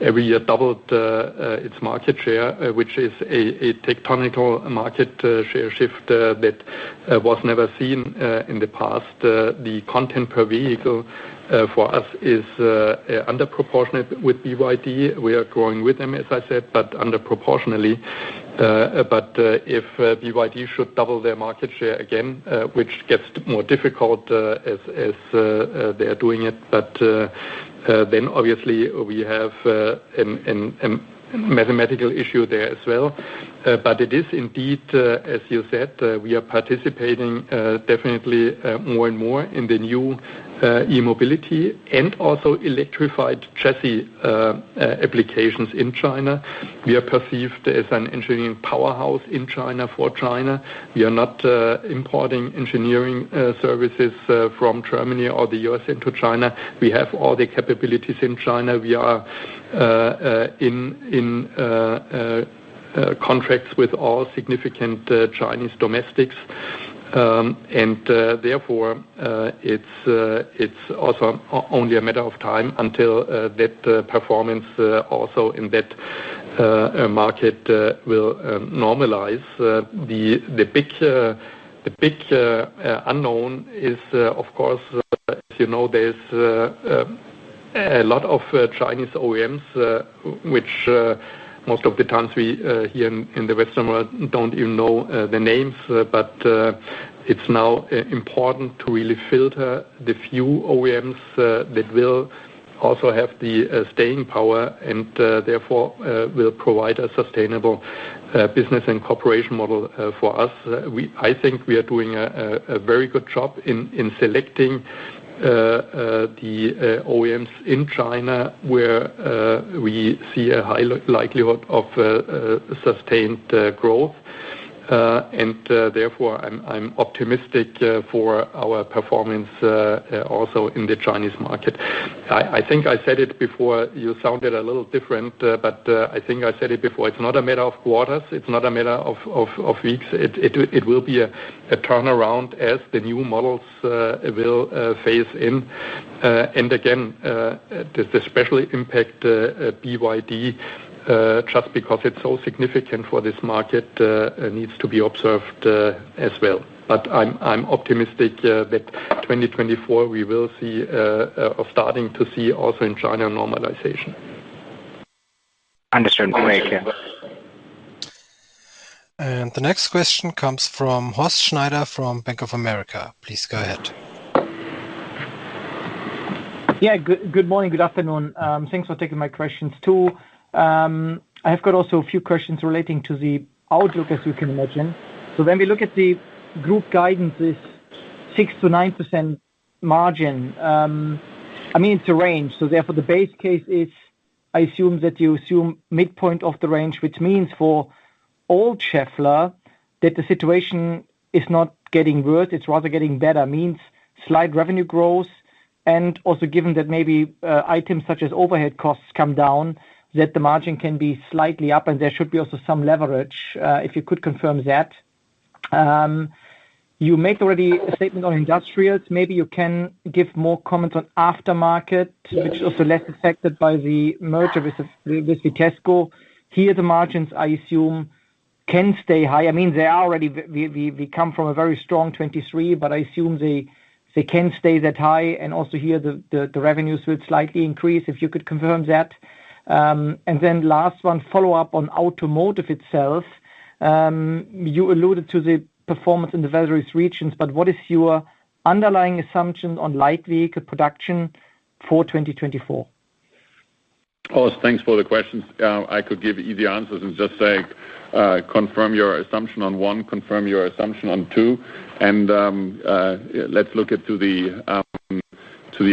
every year doubled its market share, which is a tectonic market share shift that was never seen in the past. The content per vehicle for us is underproportional with BYD. We are growing with them, as I said, but underproportionately. But if BYD should double their market share again, which gets more difficult, as they are doing it, but then obviously we have a mathematical issue there as well. But it is indeed, as you said, we are participating definitely more and more in the new e-mobility and also electrified chassis applications in China. We are perceived as an engineering powerhouse in China for China. We are not importing engineering services from Germany or the U.S. into China. We have all the capabilities in China. We are in contracts with all significant Chinese domestics. And therefore, it's also only a matter of time until that performance also in that market will normalize. The big unknown is, of course, as you know, there's a lot of Chinese OEMs, which most of the times we here in the Western world don't even know the names, but it's now important to really filter the few OEMs that will also have the staying power and therefore will provide a sustainable business and corporation model for us. We, I think, are doing a very good job in selecting the OEMs in China where we see a high likelihood of sustained growth. And therefore I'm optimistic for our performance also in the Chinese market. I think I said it before. You sounded a little different, but I think I said it before. It's not a matter of quarters. It's not a matter of weeks. It will be a turnaround as the new models will phase in. And again, the special impact, BYD, just because it's so significant for this market, needs to be observed, as well. But I'm optimistic that 2024 we will see or starting to see also in China normalization. Understood. Great. Yeah. And the next question comes from Horst Schneider from Bank of America. Please go ahead. Yeah. Good morning. Good afternoon. Thanks for taking my questions too. I have got also a few questions relating to the outlook, as you can imagine. So when we look at the group guidance, this 6%-9% margin, I mean, it's a range. So therefore, the base case is I assume that you assume midpoint of the range, which means for all Schaeffler that the situation is not getting worse. It's rather getting better. Means slight revenue growth. Also given that maybe items such as overhead costs come down, that the margin can be slightly up, and there should be also some leverage, if you could confirm that. You made already a statement on Industrials. Maybe you can give more comments on Aftermarket, which is also less affected by the merger with Vitesco. Here, the margins, I assume, can stay high. I mean, they are already we come from a very strong 2023, but I assume they can stay that high. Also here, the revenues will slightly increase, if you could confirm that. Then last one, follow up on automotive itself. You alluded to the performance in the various regions, but what is your underlying assumption on light vehicle production for 2024? Claus, thanks for the questions. I could give easy answers and just say, confirm your assumption on one, confirm your assumption on two. Let's look at the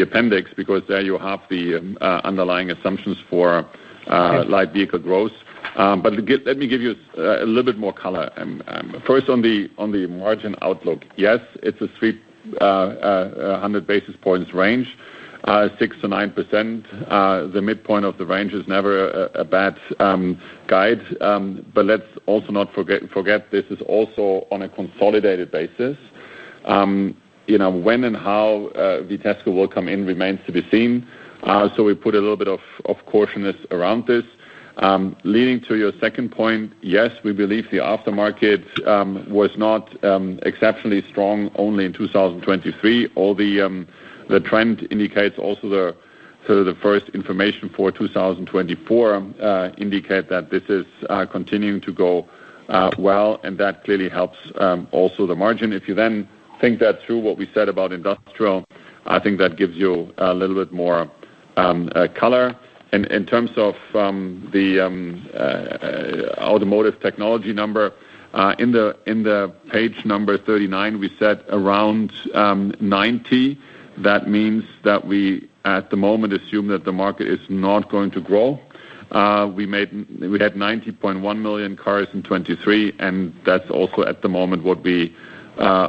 appendix because there you have the underlying assumptions for light vehicle growth. But let me give you a little bit more color. First, on the margin outlook, yes, it's a sweep, 100 basis points range, 6%-9%. The midpoint of the range is never a bad guide. But let's also not forget this is also on a consolidated basis. You know, when and how Vitesco will come in remains to be seen. So we put a little bit of cautiousness around this. Leading to your second point, yes, we believe the Aftermarket was not exceptionally strong only in 2023. All the trend indicates also the sort of the first information for 2024 indicate that this is continuing to go well, and that clearly helps also the margin. If you then think that through what we said about Industrial, I think that gives you a little bit more color. And in terms of the Automotive Technologies number, in the page number 39, we said around 90. That means that we at the moment assume that the market is not going to grow. We had 90.1 million cars in 2023, and that's also at the moment what we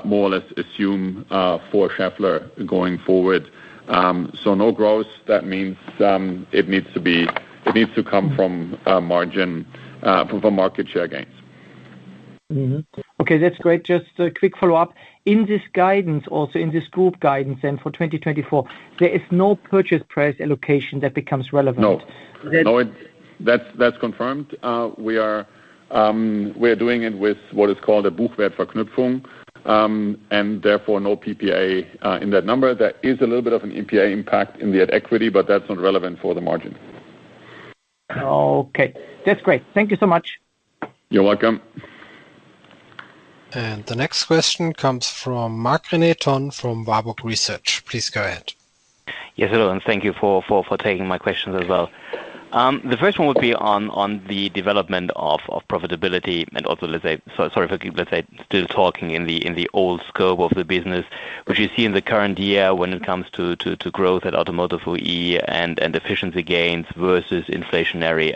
more or less assume for Schaeffler going forward. So no growth. That means it needs to come from margin, from market share gains. Mm-hmm. Okay. That's great. Just a quick follow up. In this guidance also, in this group guidance then for 2024, there is no purchase price allocation that becomes relevant. No. No, it's that's, that's confirmed. We are we are doing it with what is called a Buchwertverknüpfung, and therefore no PPA, in that number. There is a little bit of a PPA impact in the at equity, but that's not relevant for the margin. Okay. That's great. Thank you so much. You're welcome. And the next question comes from Marc-René Tonn from Warburg Research. Please go ahead. Yes, hello. And thank you for, for, for taking my questions as well. The first one would be on the development of profitability and also let's say sorry for, let's say, still talking in the old scope of the business, which you see in the current year when it comes to growth at automotive OE and efficiency gains versus inflationary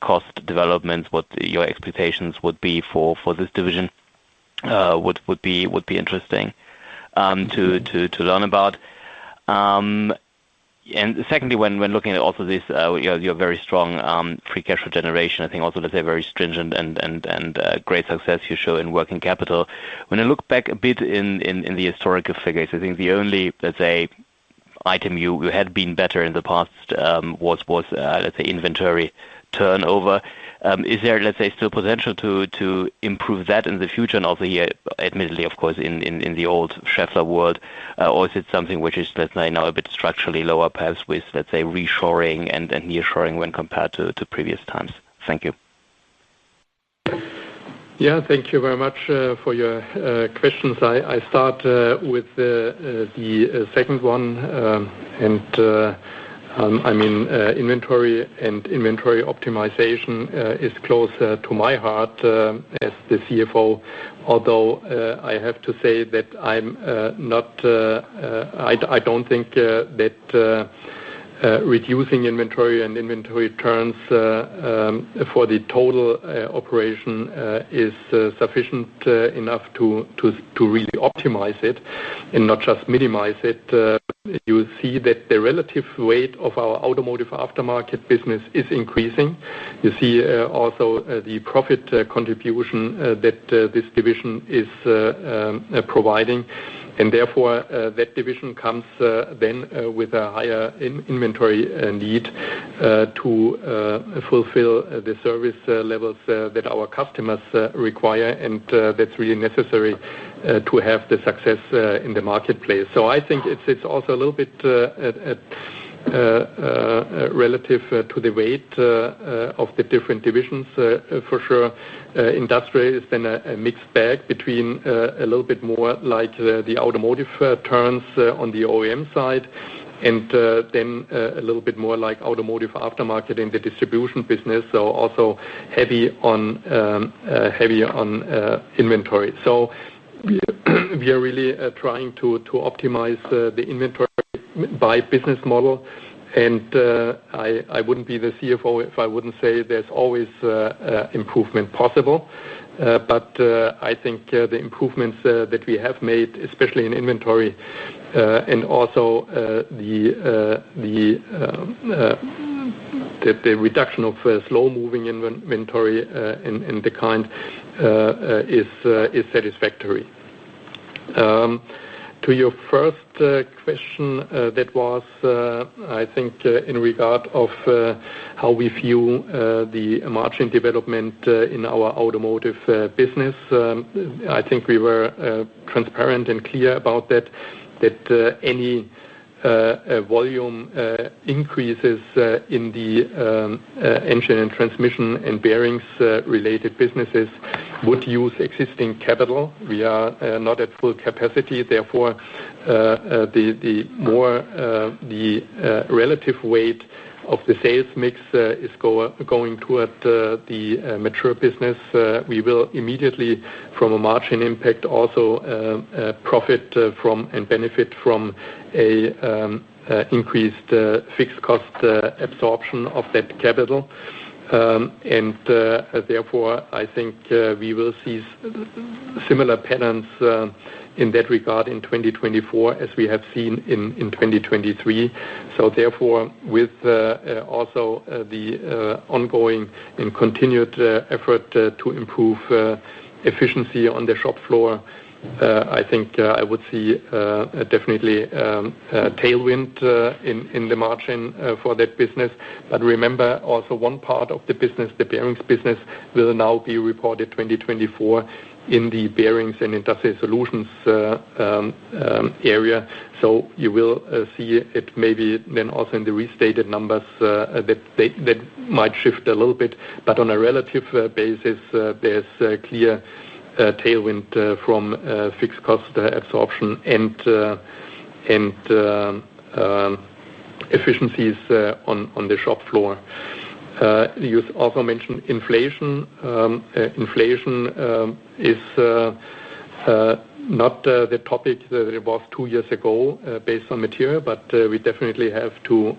cost developments, what your expectations would be for this division would be interesting to learn about. And secondly, when looking at also this, you're very strong free cash flow generation, I think also, let's say, very stringent and great success you show in working capital. When I look back a bit in the historical figures, I think the only, let's say, item you had been better in the past was, let's say, inventory turnover. Is there, let's say, still potential to improve that in the future? And also here, admittedly, of course, in the old Schaeffler world, or is it something which is, let's say, now a bit structurally lower, perhaps, with, let's say, reshoring and nearshoring when compared to previous times? Thank you. Yeah. Thank you very much for your questions. I start with the second one. I mean, inventory and inventory optimization is closer to my heart as the CFO, although I have to say that I'm not—I don't think that reducing inventory and inventory turns for the total operation is sufficient enough to really optimize it and not just minimize it. You see that the relative weight of our Automotive Aftermarket business is increasing. You see also the profit contribution that this division is providing. And therefore, that division comes then with a higher inventory need to fulfill the service levels that our customers require. And that's really necessary to have the success in the marketplace. So I think it's also a little bit relative to the weight of the different divisions, for sure. Industrial is then a mixed bag between a little bit more like the automotive turns on the OEM side, and then a little bit more like Automotive Aftermarket in the distribution business, so also heavy on inventory. So we are really trying to optimize the inventory by business model. And I wouldn't be the CFO if I wouldn't say there's always improvement possible. But I think the improvements that we have made, especially in inventory, and also the reduction of slow-moving inventory and declined, is satisfactory. To your first question, that was, I think, in regard to how we view the margin development in our automotive business. I think we were transparent and clear about that, that any volume increases in the engine and transmission and bearings related businesses would use existing capital. We are not at full capacity. Therefore, the more the relative weight of the sales mix is going toward the mature business, we will immediately, from a margin impact, also profit from and benefit from an increased fixed cost absorption of that capital. And therefore, I think we will see similar patterns in that regard in 2024 as we have seen in 2023. So therefore, with also the ongoing and continued effort to improve efficiency on the shop floor, I think I would see definitely tailwind in the margin for that business. But remember also one part of the business, the bearings business, will now be reported 2024 in the Bearings and Industrial Solutions area. So you will see it maybe then also in the restated numbers, that they might shift a little bit. But on a relative basis, there's clear tailwind from fixed cost absorption and efficiencies on the shop floor. You also mentioned inflation. Inflation is not the topic that it was two years ago, based on material, but we definitely have to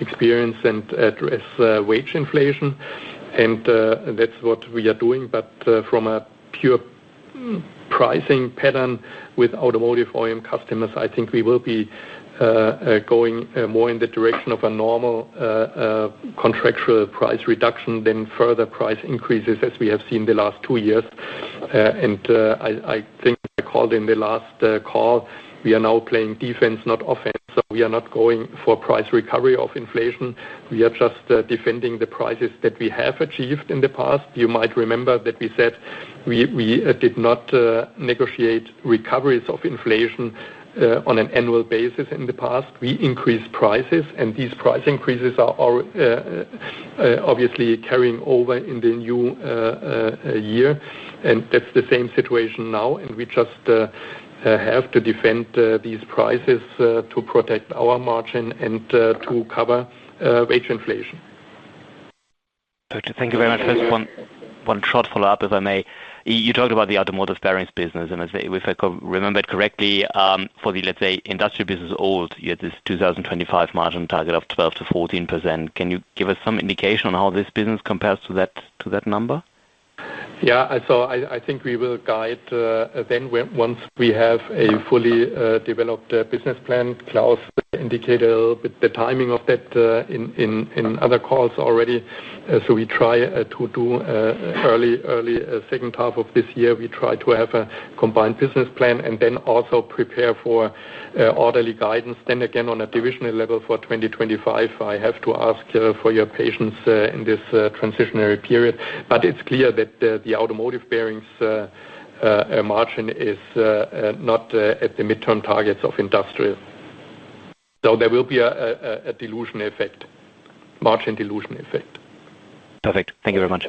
experience and address wage inflation. And that's what we are doing. But from a pure pricing pattern with automotive OEM customers, I think we will be going more in the direction of a normal contractual price reduction than further price increases as we have seen the last two years. I think I called in the last call. We are now playing defense, not offense. So we are not going for price recovery of inflation. We are just defending the prices that we have achieved in the past. You might remember that we said we did not negotiate recoveries of inflation on an annual basis in the past. We increased prices, and these price increases are all obviously carrying over in the new year. That's the same situation now. We just have to defend these prices to protect our margin and to cover wage inflation. Perfect. Thank you very much. Just one short follow up, if I may. You talked about the Automotive Bearings business. And if I remember it correctly, for the, let's say, Industrial business, you had this 2025 margin target of 12%-14%. Can you give us some indication on how this business compares to that number? Yeah. So I think we will guide then once we have a fully developed business plan. Klaus indicated a little bit the timing of that in other calls already. So we try to do early second half of this year; we try to have a combined business plan and then also prepare for orderly guidance. Then again, on a divisional level for 2025, I have to ask for your patience in this transitory period. But it's clear that the Automotive Bearings margin is not at the mid-term targets of Industrial. So there will be a dilution effect, margin dilution effect. Perfect. Thank you very much.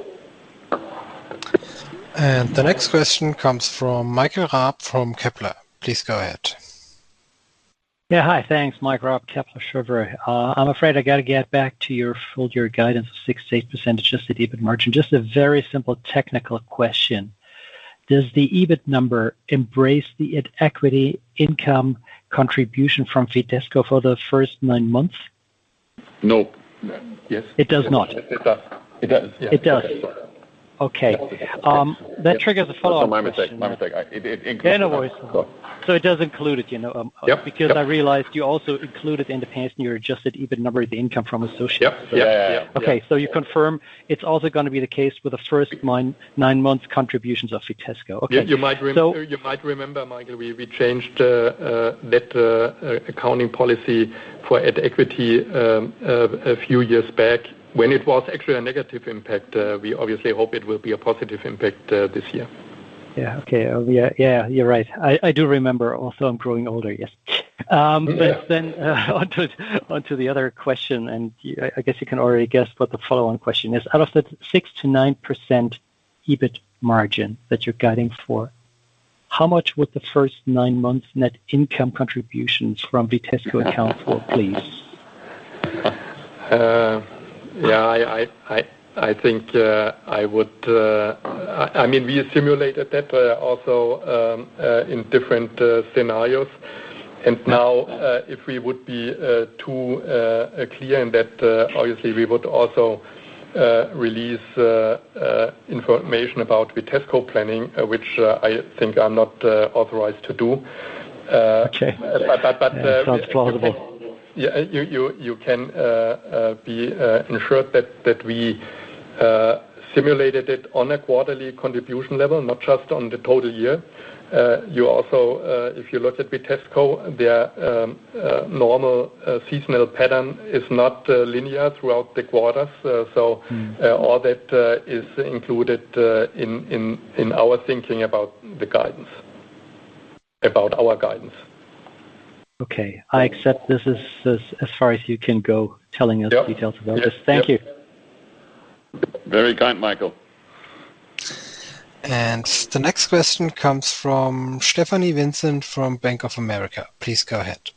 And the next question comes from Michael Raab from Kepler Cheuvreux. Please go ahead. Yeah. Hi. Thanks, Michael Raab, Kepler Cheuvreux. I'm afraid I got to get back to your full year guidance of 6%-8%, just the EBIT margin. Just a very simple technical question. Does the EBIT number embrace the at equity income contribution from Vitesco for the first nine months? No. Yes. It does not. It does. It does. Yeah. It does. Okay. That triggers a follow-up question. So my mistake. My mistake. It includes it. Then no worries. So it does include it, you know, because I realized you also included in the past year adjusted EBIT number of the income from associates. Yeah. Yeah. Yeah. Okay. So you confirm it's also going to be the case with the first nine months contributions of Vitesco. Okay. So you might remember, Michael, we changed that accounting policy for at equity a few years back when it was actually a negative impact. We obviously hope it will be a positive impact this year. Yeah. Okay. Well, yeah. Yeah. You're right. I do remember also. I'm growing older. Yes. But then onto the other question. And I guess you can already guess what the follow-on question is. Out of the 6%-9% EBIT margin that you're guiding for, how much would the first nine months net income contributions from Vitesco account for, please? Yeah. I think I would, I mean, we simulated that also in different scenarios. And now if we would be too clear in that, obviously we would also release information about Vitesco planning, which I think I'm not authorized to do. But sounds plausible. Yeah. You can be assured that we simulated it on a quarterly contribution level, not just on the total year. You also, if you look at Vitesco, their normal seasonal pattern is not linear throughout the quarters. So all that is included in our thinking about the guidance, about our guidance. Okay. I accept this is as far as you can go telling us details about this. Thank you. Very kind, Michael. And the next question comes from Stephanie Vincent from Bank of America. Please go ahead.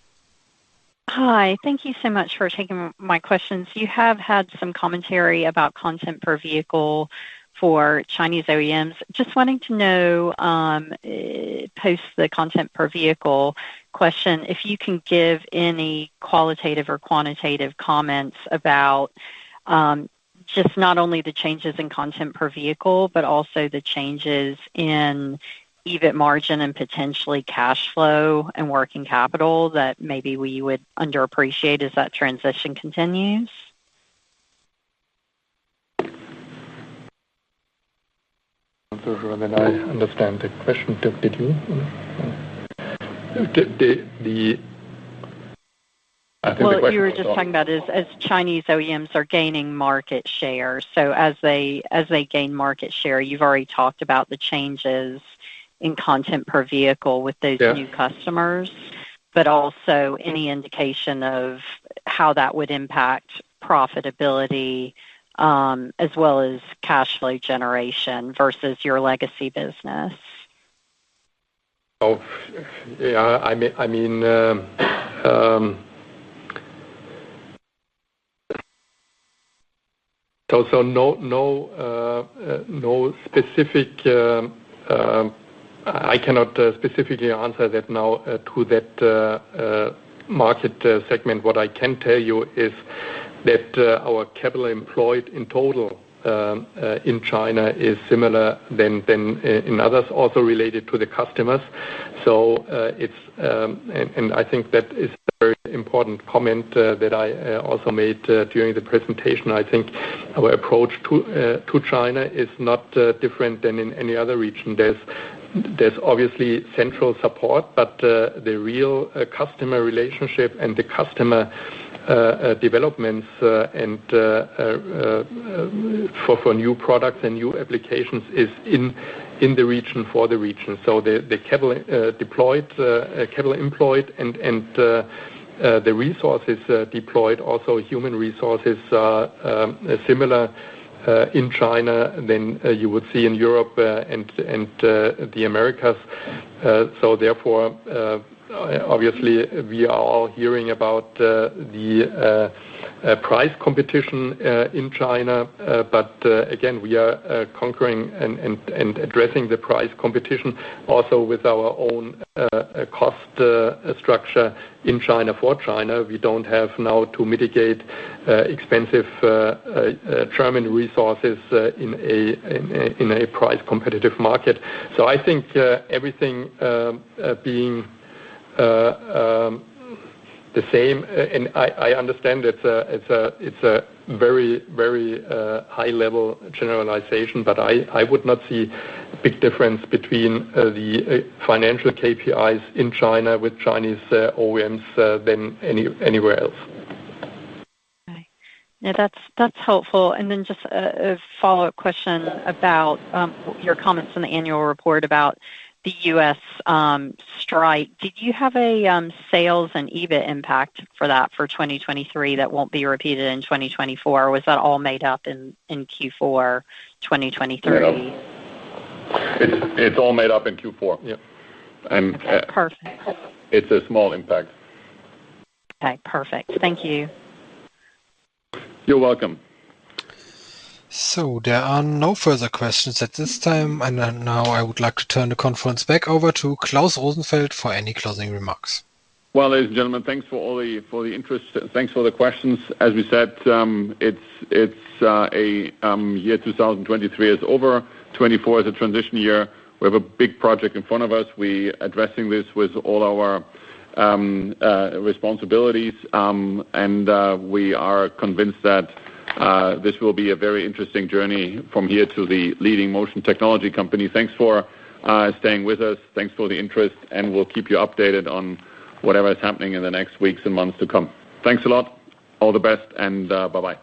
Hi. Thank you so much for taking my questions. You have had some commentary about content per vehicle for Chinese OEMs. Just wanting to know, post the content per vehicle question, if you can give any qualitative or quantitative comments about just not only the changes in content per vehicle, but also the changes in EBIT margin and potentially cash flow and working capital that maybe we would underappreciate as that transition continues. I'm sure I understand the question. Did you? I think the question is, well, what you were just talking about is, as Chinese OEMs are gaining market share, so as they gain market share, you've already talked about the changes in content per vehicle with those new customers, but also any indication of how that would impact profitability, as well as cash flow generation versus your legacy business. Oh, yeah. I mean, so no specific, I cannot specifically answer that now, to that market segment. What I can tell you is that, our capital employed in total, in China is similar than in others, also related to the customers. So, it's, and I think that is a very important comment, that I also made, during the presentation. I think our approach to China is not different than in any other region. There's obviously central support, but the real customer relationship and the customer developments, and for new products and new applications is in the region for the region. So the capital deployed, capital employed and the resources deployed, also human resources are similar in China than you would see in Europe, and the Americas. So therefore obviously we are all hearing about the price competition in China. But again, we are conquering and addressing the price competition also with our own cost structure in China for China. We don't have now to mitigate expensive German resources in a price competitive market. So I think everything being the same. I understand it's a very high-level generalization, but I would not see a big difference between the financial KPIs in China with Chinese OEMs than anywhere else. Okay. Yeah. That's helpful. And then just a follow-up question about your comments in the annual report about the U.S. strike. Did you have a sales and EBIT impact for that for 2023 that won't be repeated in 2024, or was that all made up in Q4 2023? No. It's all made up in Q4. Yeah. Perfect. It's a small impact. Okay. Perfect. Thank you. You're welcome. So there are no further questions at this time. And now I would like to turn the conference back over to Klaus Rosenfeld for any closing remarks. Well, ladies and gentlemen, thanks for all the interest. Thanks for the questions. As we said, it's a year. 2023 is over. 2024 is a transition year. We have a big project in front of us. We're addressing this with all our responsibilities. We are convinced that this will be a very interesting journey from here to the Leading Motion Technology company. Thanks for staying with us. Thanks for the interest. And we'll keep you updated on whatever is happening in the next weeks and months to come. Thanks a lot. All the best. Bye-bye.